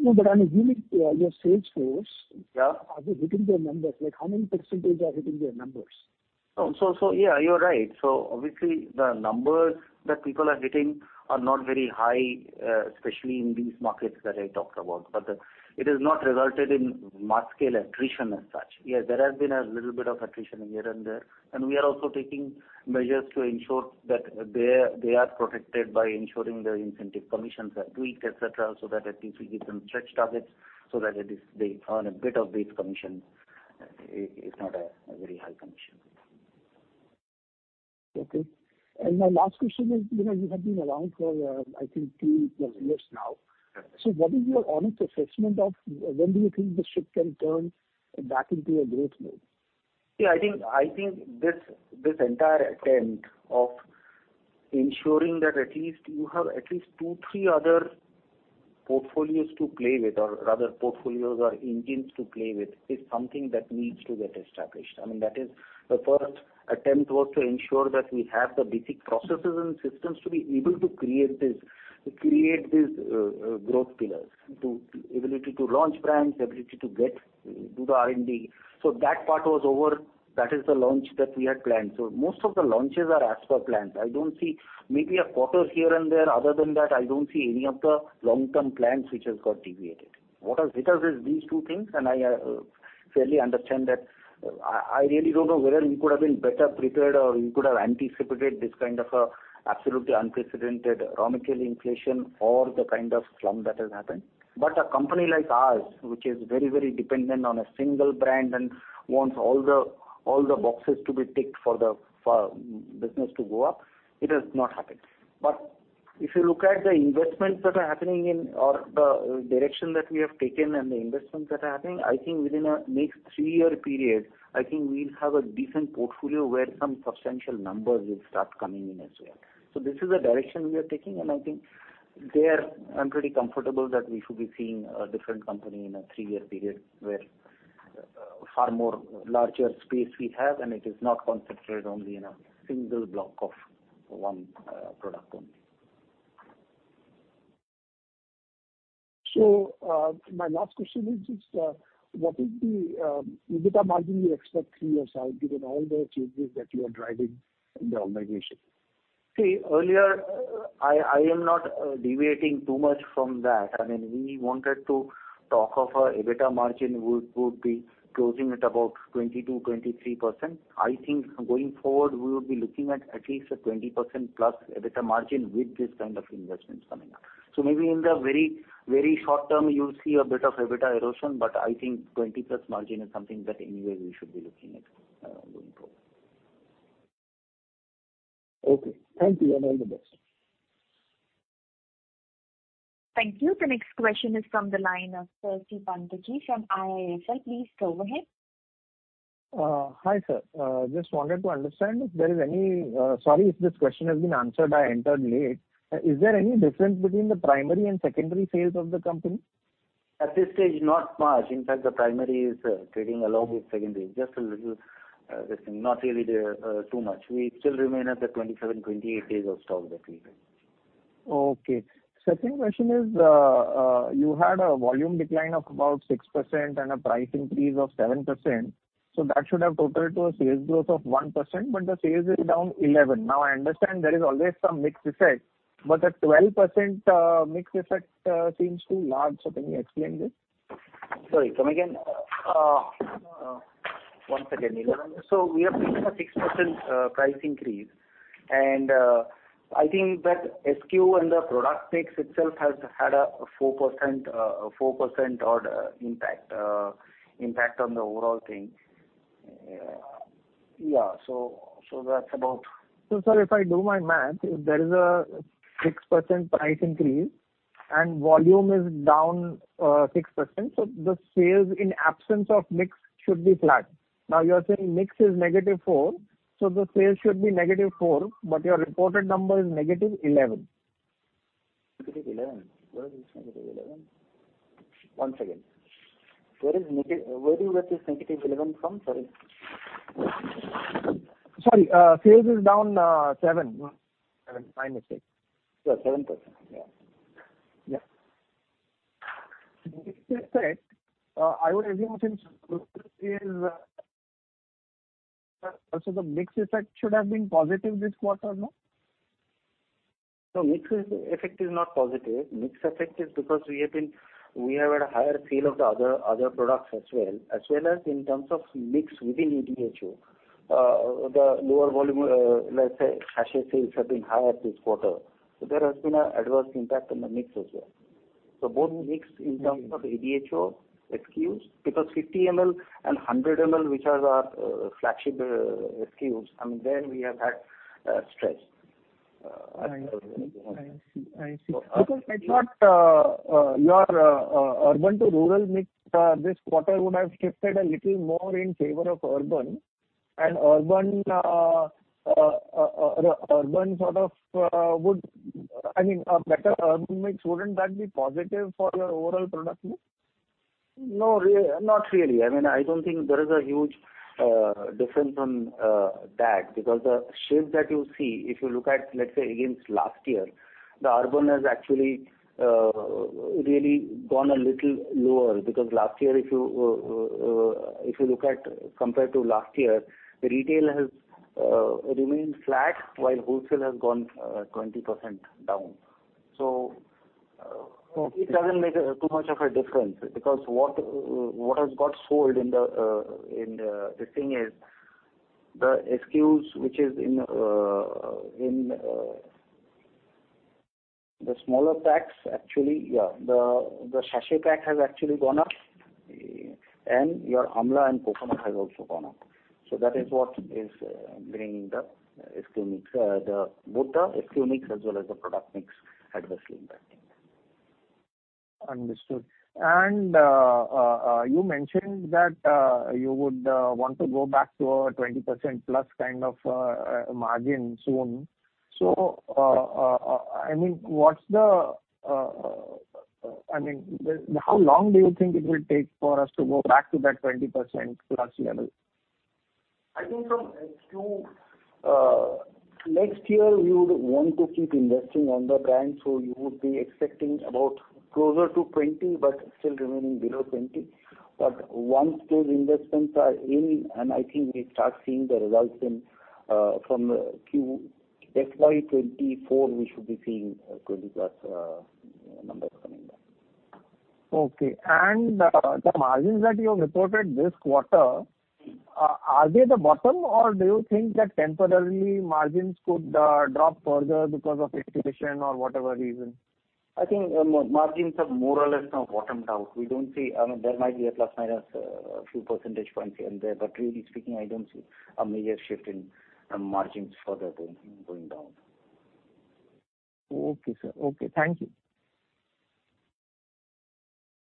No, but I'm assuming your sales force. Yeah. Are they hitting their numbers? Like, how many percentage are hitting their numbers? Yeah, you're right. Obviously the numbers that people are hitting are not very high, especially in these markets that I talked about. It has not resulted in mass scale attrition as such. Yes, there has been a little bit of attrition here and there, and we are also taking measures to ensure that they are protected by ensuring their incentive commissions are tweaked, et cetera, so that at least we give them stretch targets so that at least they earn a bit of base commission. It's not a very high commission. Okay. My last question is, you know, you have been around for, I think two-plus years now. Yeah. What is your honest assessment of when do you think the ship can turn back into a growth mode? Yeah, I think this entire attempt of ensuring that at least you have at least two, three other portfolios to play with or rather portfolios or engines to play with is something that needs to get established. I mean, that is the first attempt was to ensure that we have the basic processes and systems to be able to create these growth pillars. The ability to launch brands, ability to do the R&D. That part was over. That is the launch that we had planned. Most of the launches are as per planned. I don't see maybe a quarter here and there. Other than that, I don't see any of the long-term plans which has got deviated. What has hit us is these two things, and I fairly understand that I really don't know whether we could have been better prepared or we could have anticipated this kind of a absolutely unprecedented raw material inflation or the kind of slump that has happened. A company like ours, which is very, very dependent on a single brand and wants all the boxes to be ticked for business to go up, it has not happened. If you look at the investments that are happening or the direction that we have taken and the investments that are happening, I think within a next three-year period, I think we'll have a decent portfolio where some substantial numbers will start coming in as well. This is the direction we are taking, and I think there I'm pretty comfortable that we should be seeing a different company in a three-year period where far more larger space we have and it is not concentrated only in a single block of one product only. My last question is what is the EBITDA margin you expect three years out, given all the changes that you are driving in the organization? See, earlier, I am not deviating too much from that. I mean, we wanted to talk of a EBITDA margin would be closing at about 20%-23%. I think going forward we would be looking at least a 20%+ EBITDA margin with this kind of investments coming up. Maybe in the very, very short term you'll see a bit of EBITDA erosion, but I think 20%+ margin is something that anyway we should be looking at going forward. Okay. Thank you, and all the best. Thank you. The next question is from the line of Percy Panthaki from IIFL. Please go ahead. Hi, sir. Just wanted to understand if there is any. Sorry if this question has been answered. I entered late. Is there any difference between the primary and secondary sales of the company? At this stage, not much. In fact, the primary is trading along with secondary. Just a little, this thing, not really too much. We still remain at the 27-28 days of stock that we have. Okay. Second question is, you had a volume decline of about 6% and a price increase of 7%, so that should have totaled to a sales growth of 1%, but the sales is down 11%. Now, I understand there is always some mix effect, but the 12% mix effect seems too large. Can you explain this? Sorry, come again? Once again. We have taken a 6% price increase, and I think that SKU and the product mix itself has had a 4% odd impact on the overall thing. That's about. Sir, if I do my math, if there is a 6% price increase and volume is down 6%, so the sales in absence of mix should be flat. Now you are saying mix is -4%, so the sales should be -4%, but your reported number is -11%. -11? Where is this -11? One second. Where do you get this -11 from? Sorry. Sorry, sales is down 7%. My mistake. 7%. Yeah. Yeah. Mix effect, so the mix effect should have been positive this quarter, no? No, mix effect is not positive. Mix effect is because we have had a higher fill of the other products as well. As well as in terms of mix within ADHO. The lower volume, let's say, sachet sales have been higher this quarter. There has been an adverse impact on the mix as well. Both mix in terms of ADHO SKUs, because 50 ml and 100 ml, which are our flagship SKUs, I mean, there we have had stress. I see. So- Because I thought your urban to rural mix this quarter would have shifted a little more in favor of urban, I mean, a better urban mix, wouldn't that be positive for your overall product mix? No, not really. I mean, I don't think there is a huge difference from that because the shift that you see, if you look at, let's say, against last year, the urban has actually really gone a little lower. Because last year if you look at compared to last year, retail has remained flat, while wholesale has gone 20% down. So it doesn't make too much of a difference because what has got sold in the in the this thing is the SKUs which is in the smaller packs actually. Yeah, the sachet pack has actually gone up, and your amla and coconut has also gone up. So that is what is bringing the SKU mix. Both the SKU mix as well as the product mix adversely impacting. Understood. You mentioned that you would want to go back to a 20%+ kind of margin soon. I mean, how long do you think it will take for us to go back to that 20%+ level? I think from next year we would want to keep investing on the brand, so we would be expecting about closer to 20%, but still remaining below 20%. Once those investments are in and I think we start seeing the results in from Q FY 2024, we should be seeing 20%+ numbers coming back. Okay. The margins that you have reported this quarter, are they the bottom or do you think that temporarily margins could drop further because of inflation or whatever reason? I think margins have more or less now bottomed out. We don't see, I mean, there might be a plus or minus few percentage points here and there. Really speaking, I don't see a major shift in margins further going down. Okay, sir. Okay, thank you.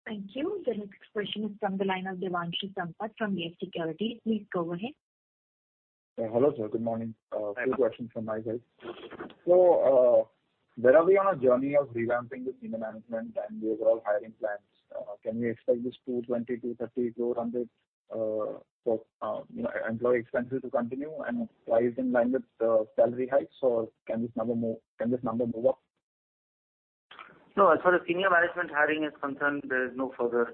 Thank you. The next question is from the line of Devanshi Sampat from BF Securities. Please go ahead. Hello, sir. Good morning. Hello. Two questions from my side. Where are we on our journey of revamping the senior management and the overall hiring plans? Can we expect this 220, 230, 200 employee expenses to continue? Are you in line with the salary hikes, or can this number move up? No, as far as senior management hiring is concerned, there is no further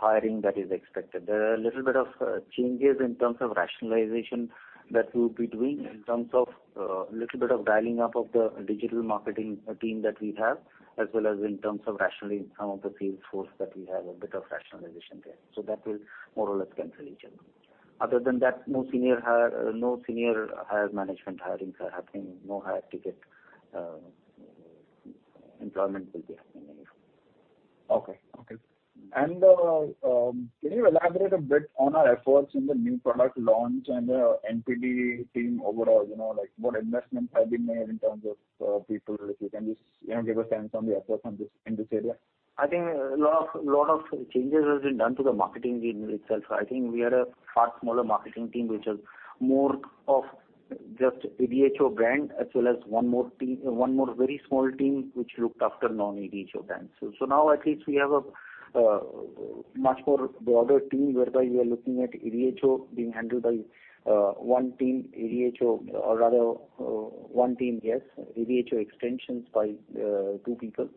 hiring that is expected. There are a little bit of changes in terms of rationalization that we'll be doing in terms of little bit of dialing up of the digital marketing team that we have, as well as in terms of rationalizing some of the sales force that we have, a bit of rationalization there. That will more or less cancel each other. Other than that, no senior hire management hirings are happening, no higher ticket employment will be happening. Okay. Can you elaborate a bit on our efforts in the new product launch and the NPD team overall? You know, like what investments have been made in terms of, people? If you can just, you know, give a sense on the efforts on this, in this area. I think a lot of changes has been done to the marketing team itself. I think we are a far smaller marketing team, which is more of just ADHO brand, as well as one very small team which looked after non-ADHO brands. Now at least we have a much more broader team whereby we are looking at ADHO being handled by one team ADHO or rather one team, yes, ADHO extensions by two people,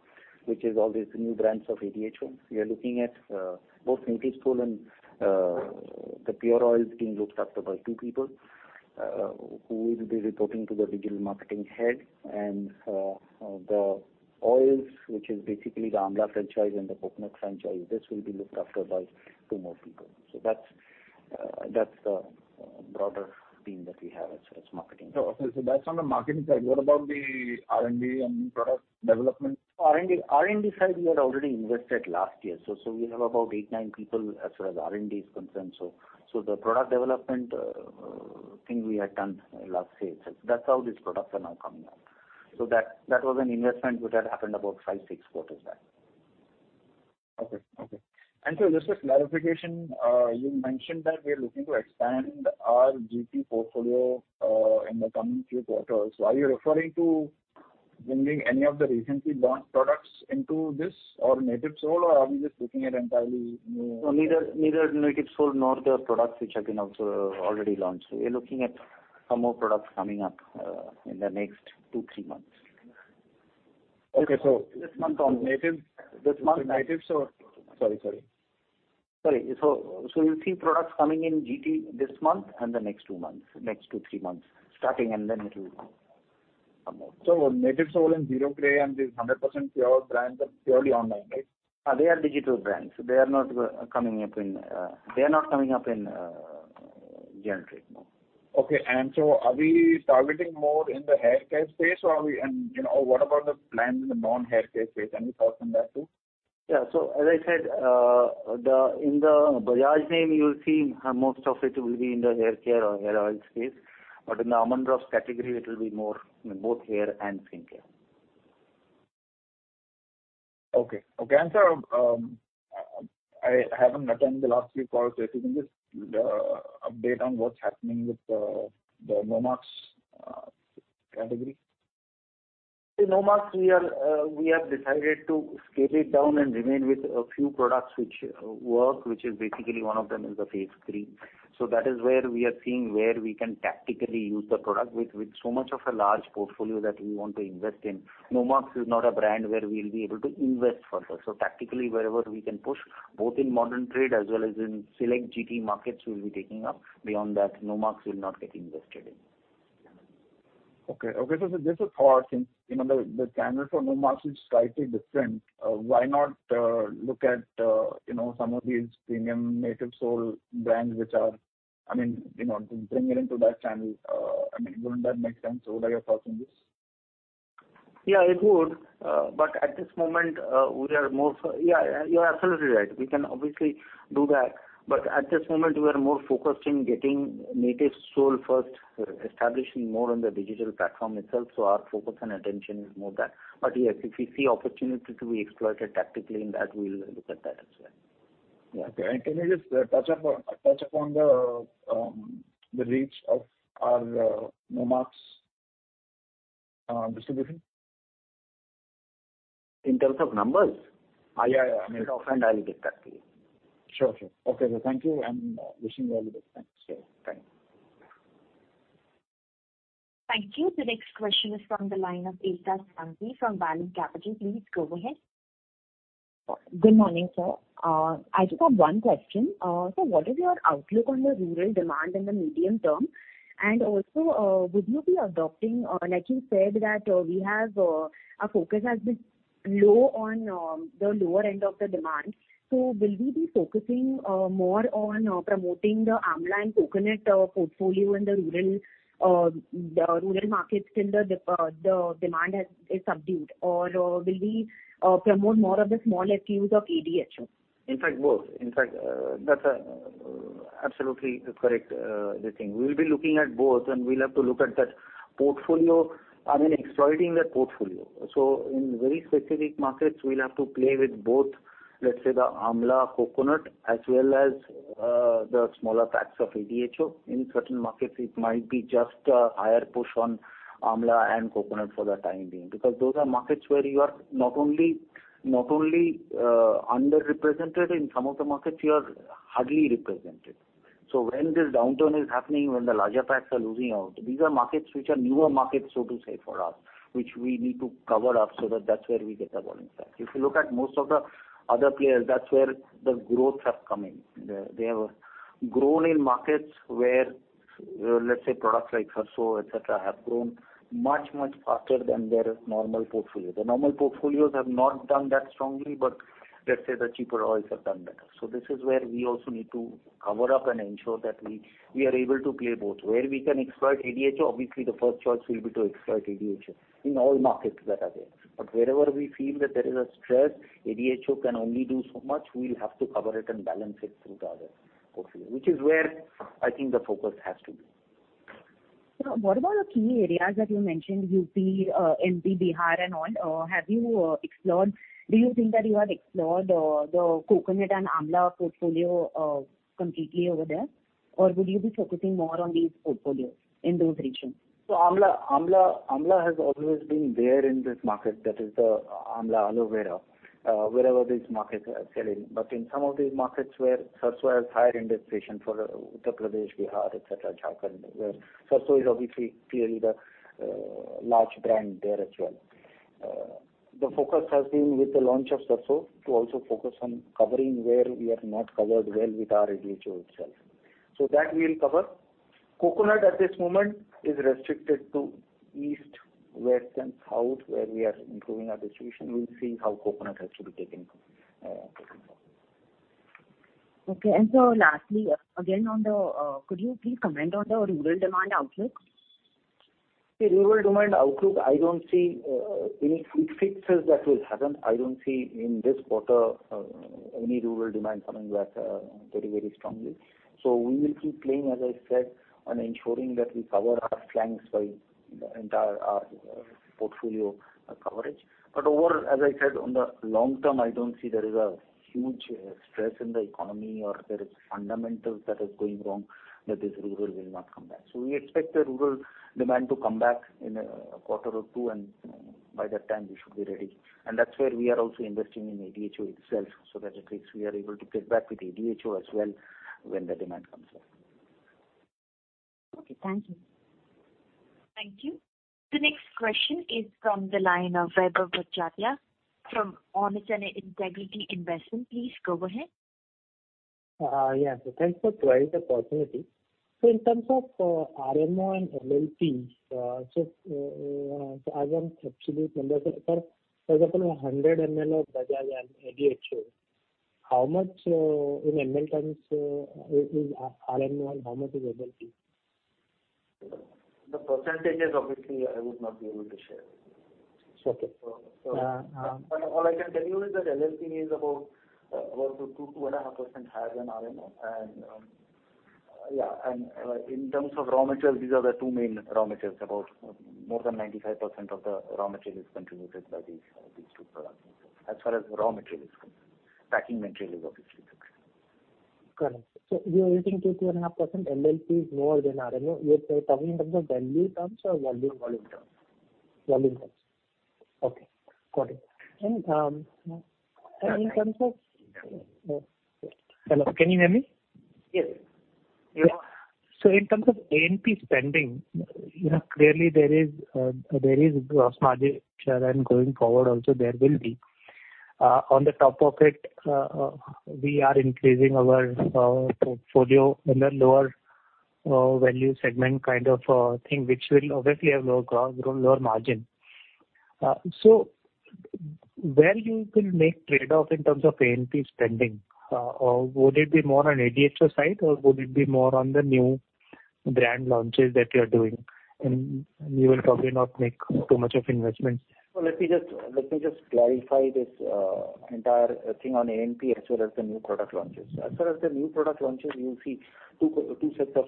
which is all these new brands of ADHO. We are looking at both Natyv Soul and the pure oils being looked after by two people who will be reporting to the digital marketing head. The oils, which is basically the Amla franchise and the Coconut franchise, this will be looked after by two more people. That's the broader team that we have as far as marketing. That's on the marketing side. What about the R&D and product development? R&D side we had already invested last year, so we have about eight, nine people as far as R&D is concerned. The product development thing we had done last year itself. That's how these products are now coming out. That was an investment which had happened about five, six quarters back. Just a clarification, you mentioned that we are looking to expand our GT portfolio in the coming few quarters. Are you referring to bringing any of the recently launched products into this or Natyv Soul, or are we just looking at entirely new- No, neither Natyv Soul nor the products which have been also already launched. We're looking at some more products coming up in the next two, three months. Okay. This month on Natyv- This month. Natyv Soul. Sorry. Sorry. You'll see products coming in GT this month and the next two months, next two, three months, starting and then it will come out. Natyv Soul and Zero Grey and these 100% Pure brands are purely online, right? They are digital brands. They are not coming up in general trade, no. Okay. Are we targeting more in the haircare space or are we? You know, what about the plans in the non-haircare space? Any thoughts on that too? Yeah. As I said, in the Bajaj name, you'll see most of it will be in the haircare or hair oils space. In the Almond Drops category, it will be more, both hair and skin care. Okay. Sir, I haven't attended the last few calls. If you can just update on what's happening with the Nomarks category. In Nomarks, we have decided to scale it down and remain with a few products which work, which is basically one of them is the Face Wash. That is where we are seeing where we can tactically use the product. With so much of a large portfolio that we want to invest in, Nomarks is not a brand where we'll be able to invest further. Tactically wherever we can push, both in modern trade as well as in select GT markets, we'll be taking up. Beyond that, Nomarks will not get invested in. Okay, so this is for, you know, the channel for Nomarks is slightly different. Why not look at, you know, some of these premium Natyv Soul brands which are, I mean, you know, bring it into that channel. I mean, wouldn't that make sense? What are you thinking? Yeah, it would. At this moment, yeah, you're absolutely right. We can obviously do that. At this moment, we are more focused in getting Natyv Soul first, establishing more on the digital platform itself, so our focus and attention is more there. Yes, if we see opportunity to be exploited tactically in that, we'll look at that as well. Yeah, okay. Can you just touch up on the reach of our Nomarks distribution? In terms of numbers? Yeah, yeah. I mean, offhand I'll get that to you. Sure. Okay, thank you and wishing you all the best. Thanks. Sure. Thank you. Thank you. The next question is from the line of Ayesha Saini from ValueQuest. Please go ahead. Good morning, sir. I just have one question. What is your outlook on the rural demand in the medium term? Also, would you be adopting, like you said, that we have our focus has been low on the lower end of the demand. Will we be focusing more on promoting the Amla and Coconut portfolio in the rural markets till the demand is subdued? Or will we promote more of the small SKUs of ADHO? In fact, both. That's absolutely correct, this thing. We'll be looking at both, and we'll have to look at that portfolio. I mean, exploiting that portfolio. In very specific markets, we'll have to play with both, let's say, the Amla, Coconut, as well as the smaller packs of ADHO. In certain markets, it might be just a higher push on Amla and Coconut for the time being. Because those are markets where you are not only underrepresented, in some of the markets you are hardly represented. When this downturn is happening, when the larger packs are losing out, these are markets which are newer markets, so to say, for us, which we need to cover up so that that's where we get the volume back. If you look at most of the other players, that's where the growth has come in. They have grown in markets where, let's say products like Sarso, et cetera, have grown much, much faster than their normal portfolio. The normal portfolios have not done that strongly, but let's say the cheaper oils have done better. This is where we also need to cover up and ensure that we are able to play both. Where we can exploit ADHO, obviously the first choice will be to exploit ADHO in all markets that are there. Wherever we feel that there is a stress, ADHO can only do so much, we'll have to cover it and balance it through the other portfolio, which is where I think the focus has to be. Sir, what about the key areas that you mentioned, UP, MP, Bihar and all? Do you think that you have explored the Coconut and Amla portfolio completely over there? Or would you be focusing more on these portfolios in those regions? Amla has always been there in this market, that is the Amla Aloe Vera, wherever these markets are selling. In some of these markets where Sarson has higher indexation for Uttar Pradesh, Bihar, et cetera, Jharkhand, where Sarson is obviously clearly the large brand there as well. The focus has been with the launch of Sarson to also focus on covering where we are not covered well with our ADHO itself. That we'll cover. Coconut at this moment is restricted to east, west, and south, where we are improving our distribution. We'll see how Coconut has to be taken forward. Okay. Lastly, again, on the, could you please comment on the rural demand outlook? The rural demand outlook. I don't see any quick fixes that will happen. I don't see in this quarter any rural demand coming back very, very strongly. We will keep playing, as I said, on ensuring that we cover our flanks by the entire portfolio coverage. Over, as I said, on the long term, I don't see there is a huge stress in the economy or there is fundamentals that is going wrong, that this rural will not come back. We expect the rural demand to come back in a quarter or two, and by that time we should be ready. That's where we are also investing in ADHO itself, so that at least we are able to get back with ADHO as well when the demand comes up. Okay, thank you. Thank you. The next question is from the line of Vaibhav Badjatya from Honesty and Integrity Investment. Please go ahead. Yeah. Thanks for providing the opportunity. In terms of RMO and LLP, as an absolute number, suppose 100 ml of Bajaj ADHO, how much in ml terms is RMO and how much is LLP? The percentages obviously I would not be able to share. Okay. So, so- Uh, uh. All I can tell you is that LLP is about 2.5% higher than RMO. In terms of raw materials, these are the two main raw materials. More than 95% of the raw material is contributed by these two products. As far as raw material is concerned. Packing material is obviously different. Correct. You're using 2.5% LLP is more than RMO. You're talking in terms of value terms or volume terms? Volume terms. Okay. Got it. In terms of... Hello, can you hear me? Yes. We are. In terms of A&P spending, you know, clearly there is gross margin churn and going forward also there will be. On the top of it, we are increasing our portfolio in the lower value segment kind of thing, which will obviously have lower margin. Where you will make trade-off in terms of A&P spending? Would it be more on ADHO side or would it be more on the new brand launches that you're doing and you will probably not make too much of investments? Well, let me just clarify this entire thing on A&P as well as the new product launches. As far as the new product launches, you'll see two sets of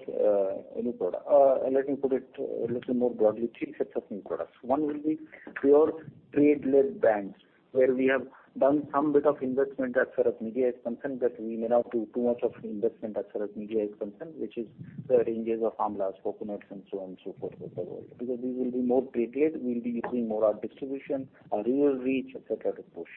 new product. Let me put it a little more broadly, three sets of new products. One will be pure trade-led brands, where we have done some bit of investment as far as media is concerned, but we may not do too much of investment as far as media is concerned, which is the ranges of Amla's, coconuts and so on and so forth, with the volume. Because these will be more traded, we'll be using more our distribution, our rural reach, et cetera, to push.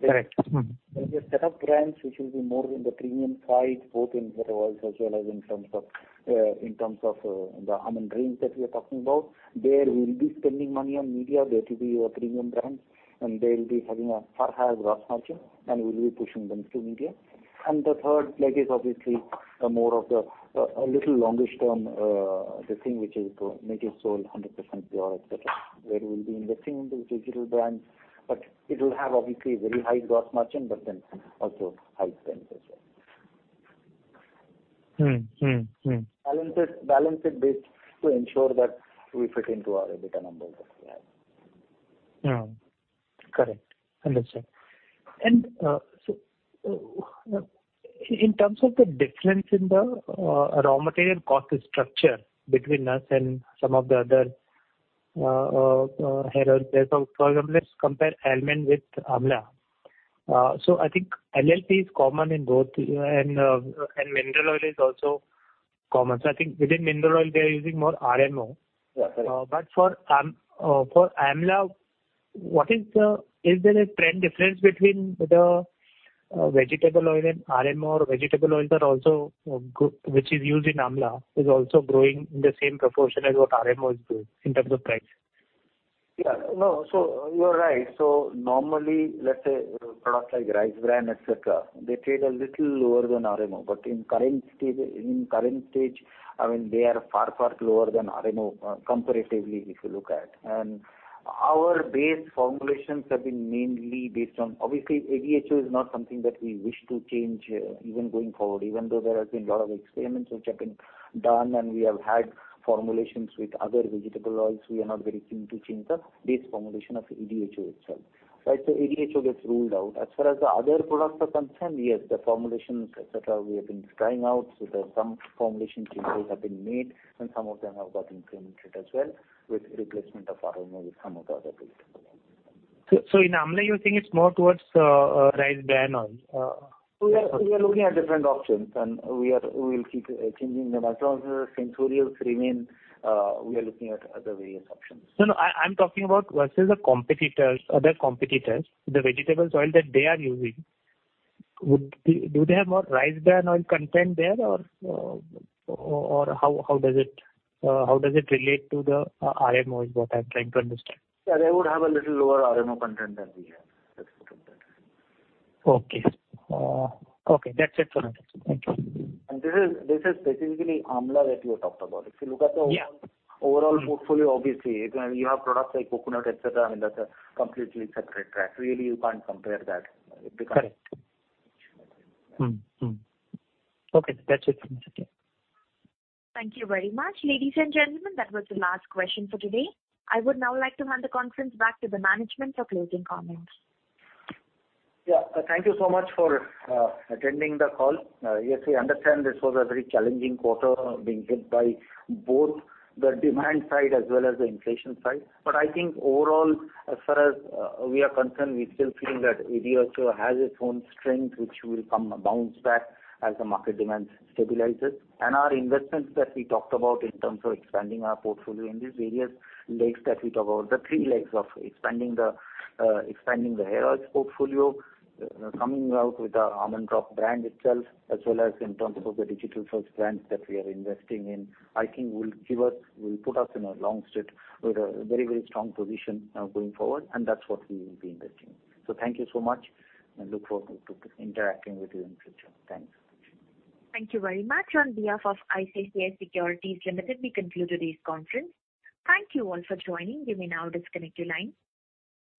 Correct. Mm-hmm. There's a set of brands which will be more in the premium side, both overall as well as in terms of the Almond Drops that we are talking about. There we'll be spending money on media. They'll be the premium brands, and they'll be having a far higher gross margin, and we'll be pushing them through media. The third leg is obviously more of a little longer term, the things which are mass sold 100% Pure, etc., where we'll be investing in those digital brands. But it will have obviously very high gross margin, but then also high spend as well. Mm-hmm. Mm-hmm. Balanced based to ensure that we fit into our EBITDA numbers that we have. Correct. Understood. In terms of the difference in the raw material cost structure between us and some of the other hair oils, for example, let's compare Almond with Amla. I think LLP is common in both, and mineral oil is also common. I think within mineral oil, they are using more RMO. Yeah, correct. For amla, is there a trend difference between the vegetable oil and RMO or are vegetable oils, which are used in amla, also growing in the same proportion as what RMO is doing in terms of price? Yeah. No, you're right. Normally, let's say products like rice bran, et cetera, they trade a little lower than RMO. But in current stage, I mean, they are far, far lower than RMO, comparatively, if you look at. Our base formulations have been mainly based on. Obviously, ADHO is not something that we wish to change, even going forward. Even though there has been a lot of experiments which have been done, and we have had formulations with other vegetable oils, we are not very keen to change the base formulation of ADHO itself. Right. ADHO gets ruled out. As far as the other products are concerned, yes, the formulations, et cetera, we have been trying out. There's some formulation changes have been made, and some of them have got implemented as well with replacement of RMO with some of the other vegetable oils. In amla, you're saying it's more towards rice bran oil? We are looking at different options, and we will keep changing them. As long as the sensorials remain, we are looking at other various options. No, I'm talking about versus the competitors, other competitors. The vegetable oil that they are using. Do they have more rice bran oil content there or how does it relate to the RMO is what I'm trying to understand. Yeah. They would have a little lower RMO content than we have. Let's put it that way. Okay. Okay, that's it for now. Thank you. This is specifically Amla that you have talked about. If you look at the- Yeah. Overall portfolio, obviously, you have products like coconut, et cetera, I mean, that's a completely separate track. Really, you can't compare that because Correct. Okay, that's it for me. Thank you. Thank you very much. Ladies and gentlemen, that was the last question for today. I would now like to hand the conference back to the management for closing comments. Yeah. Thank you so much for attending the call. Yes, we understand this was a very challenging quarter, being hit by both the demand side as well as the inflation side. I think overall, as far as we are concerned, we still feel that ADHO has its own strength, which will bounce back as the market demand stabilizes. Our investments that we talked about in terms of expanding our portfolio in these various legs that we talk about, the three legs of expanding the hair oils portfolio, coming out with our Almond Drops brand itself, as well as in terms of the digital-first brands that we are investing in, I think will put us in a long stretch with a very, very strong position going forward, and that's what we will be investing in. Thank you so much and I look forward to interacting with you in future. Thanks. Thank you very much. On behalf of ICICI Securities Limited, we conclude today's conference. Thank you all for joining. You may now disconnect your line.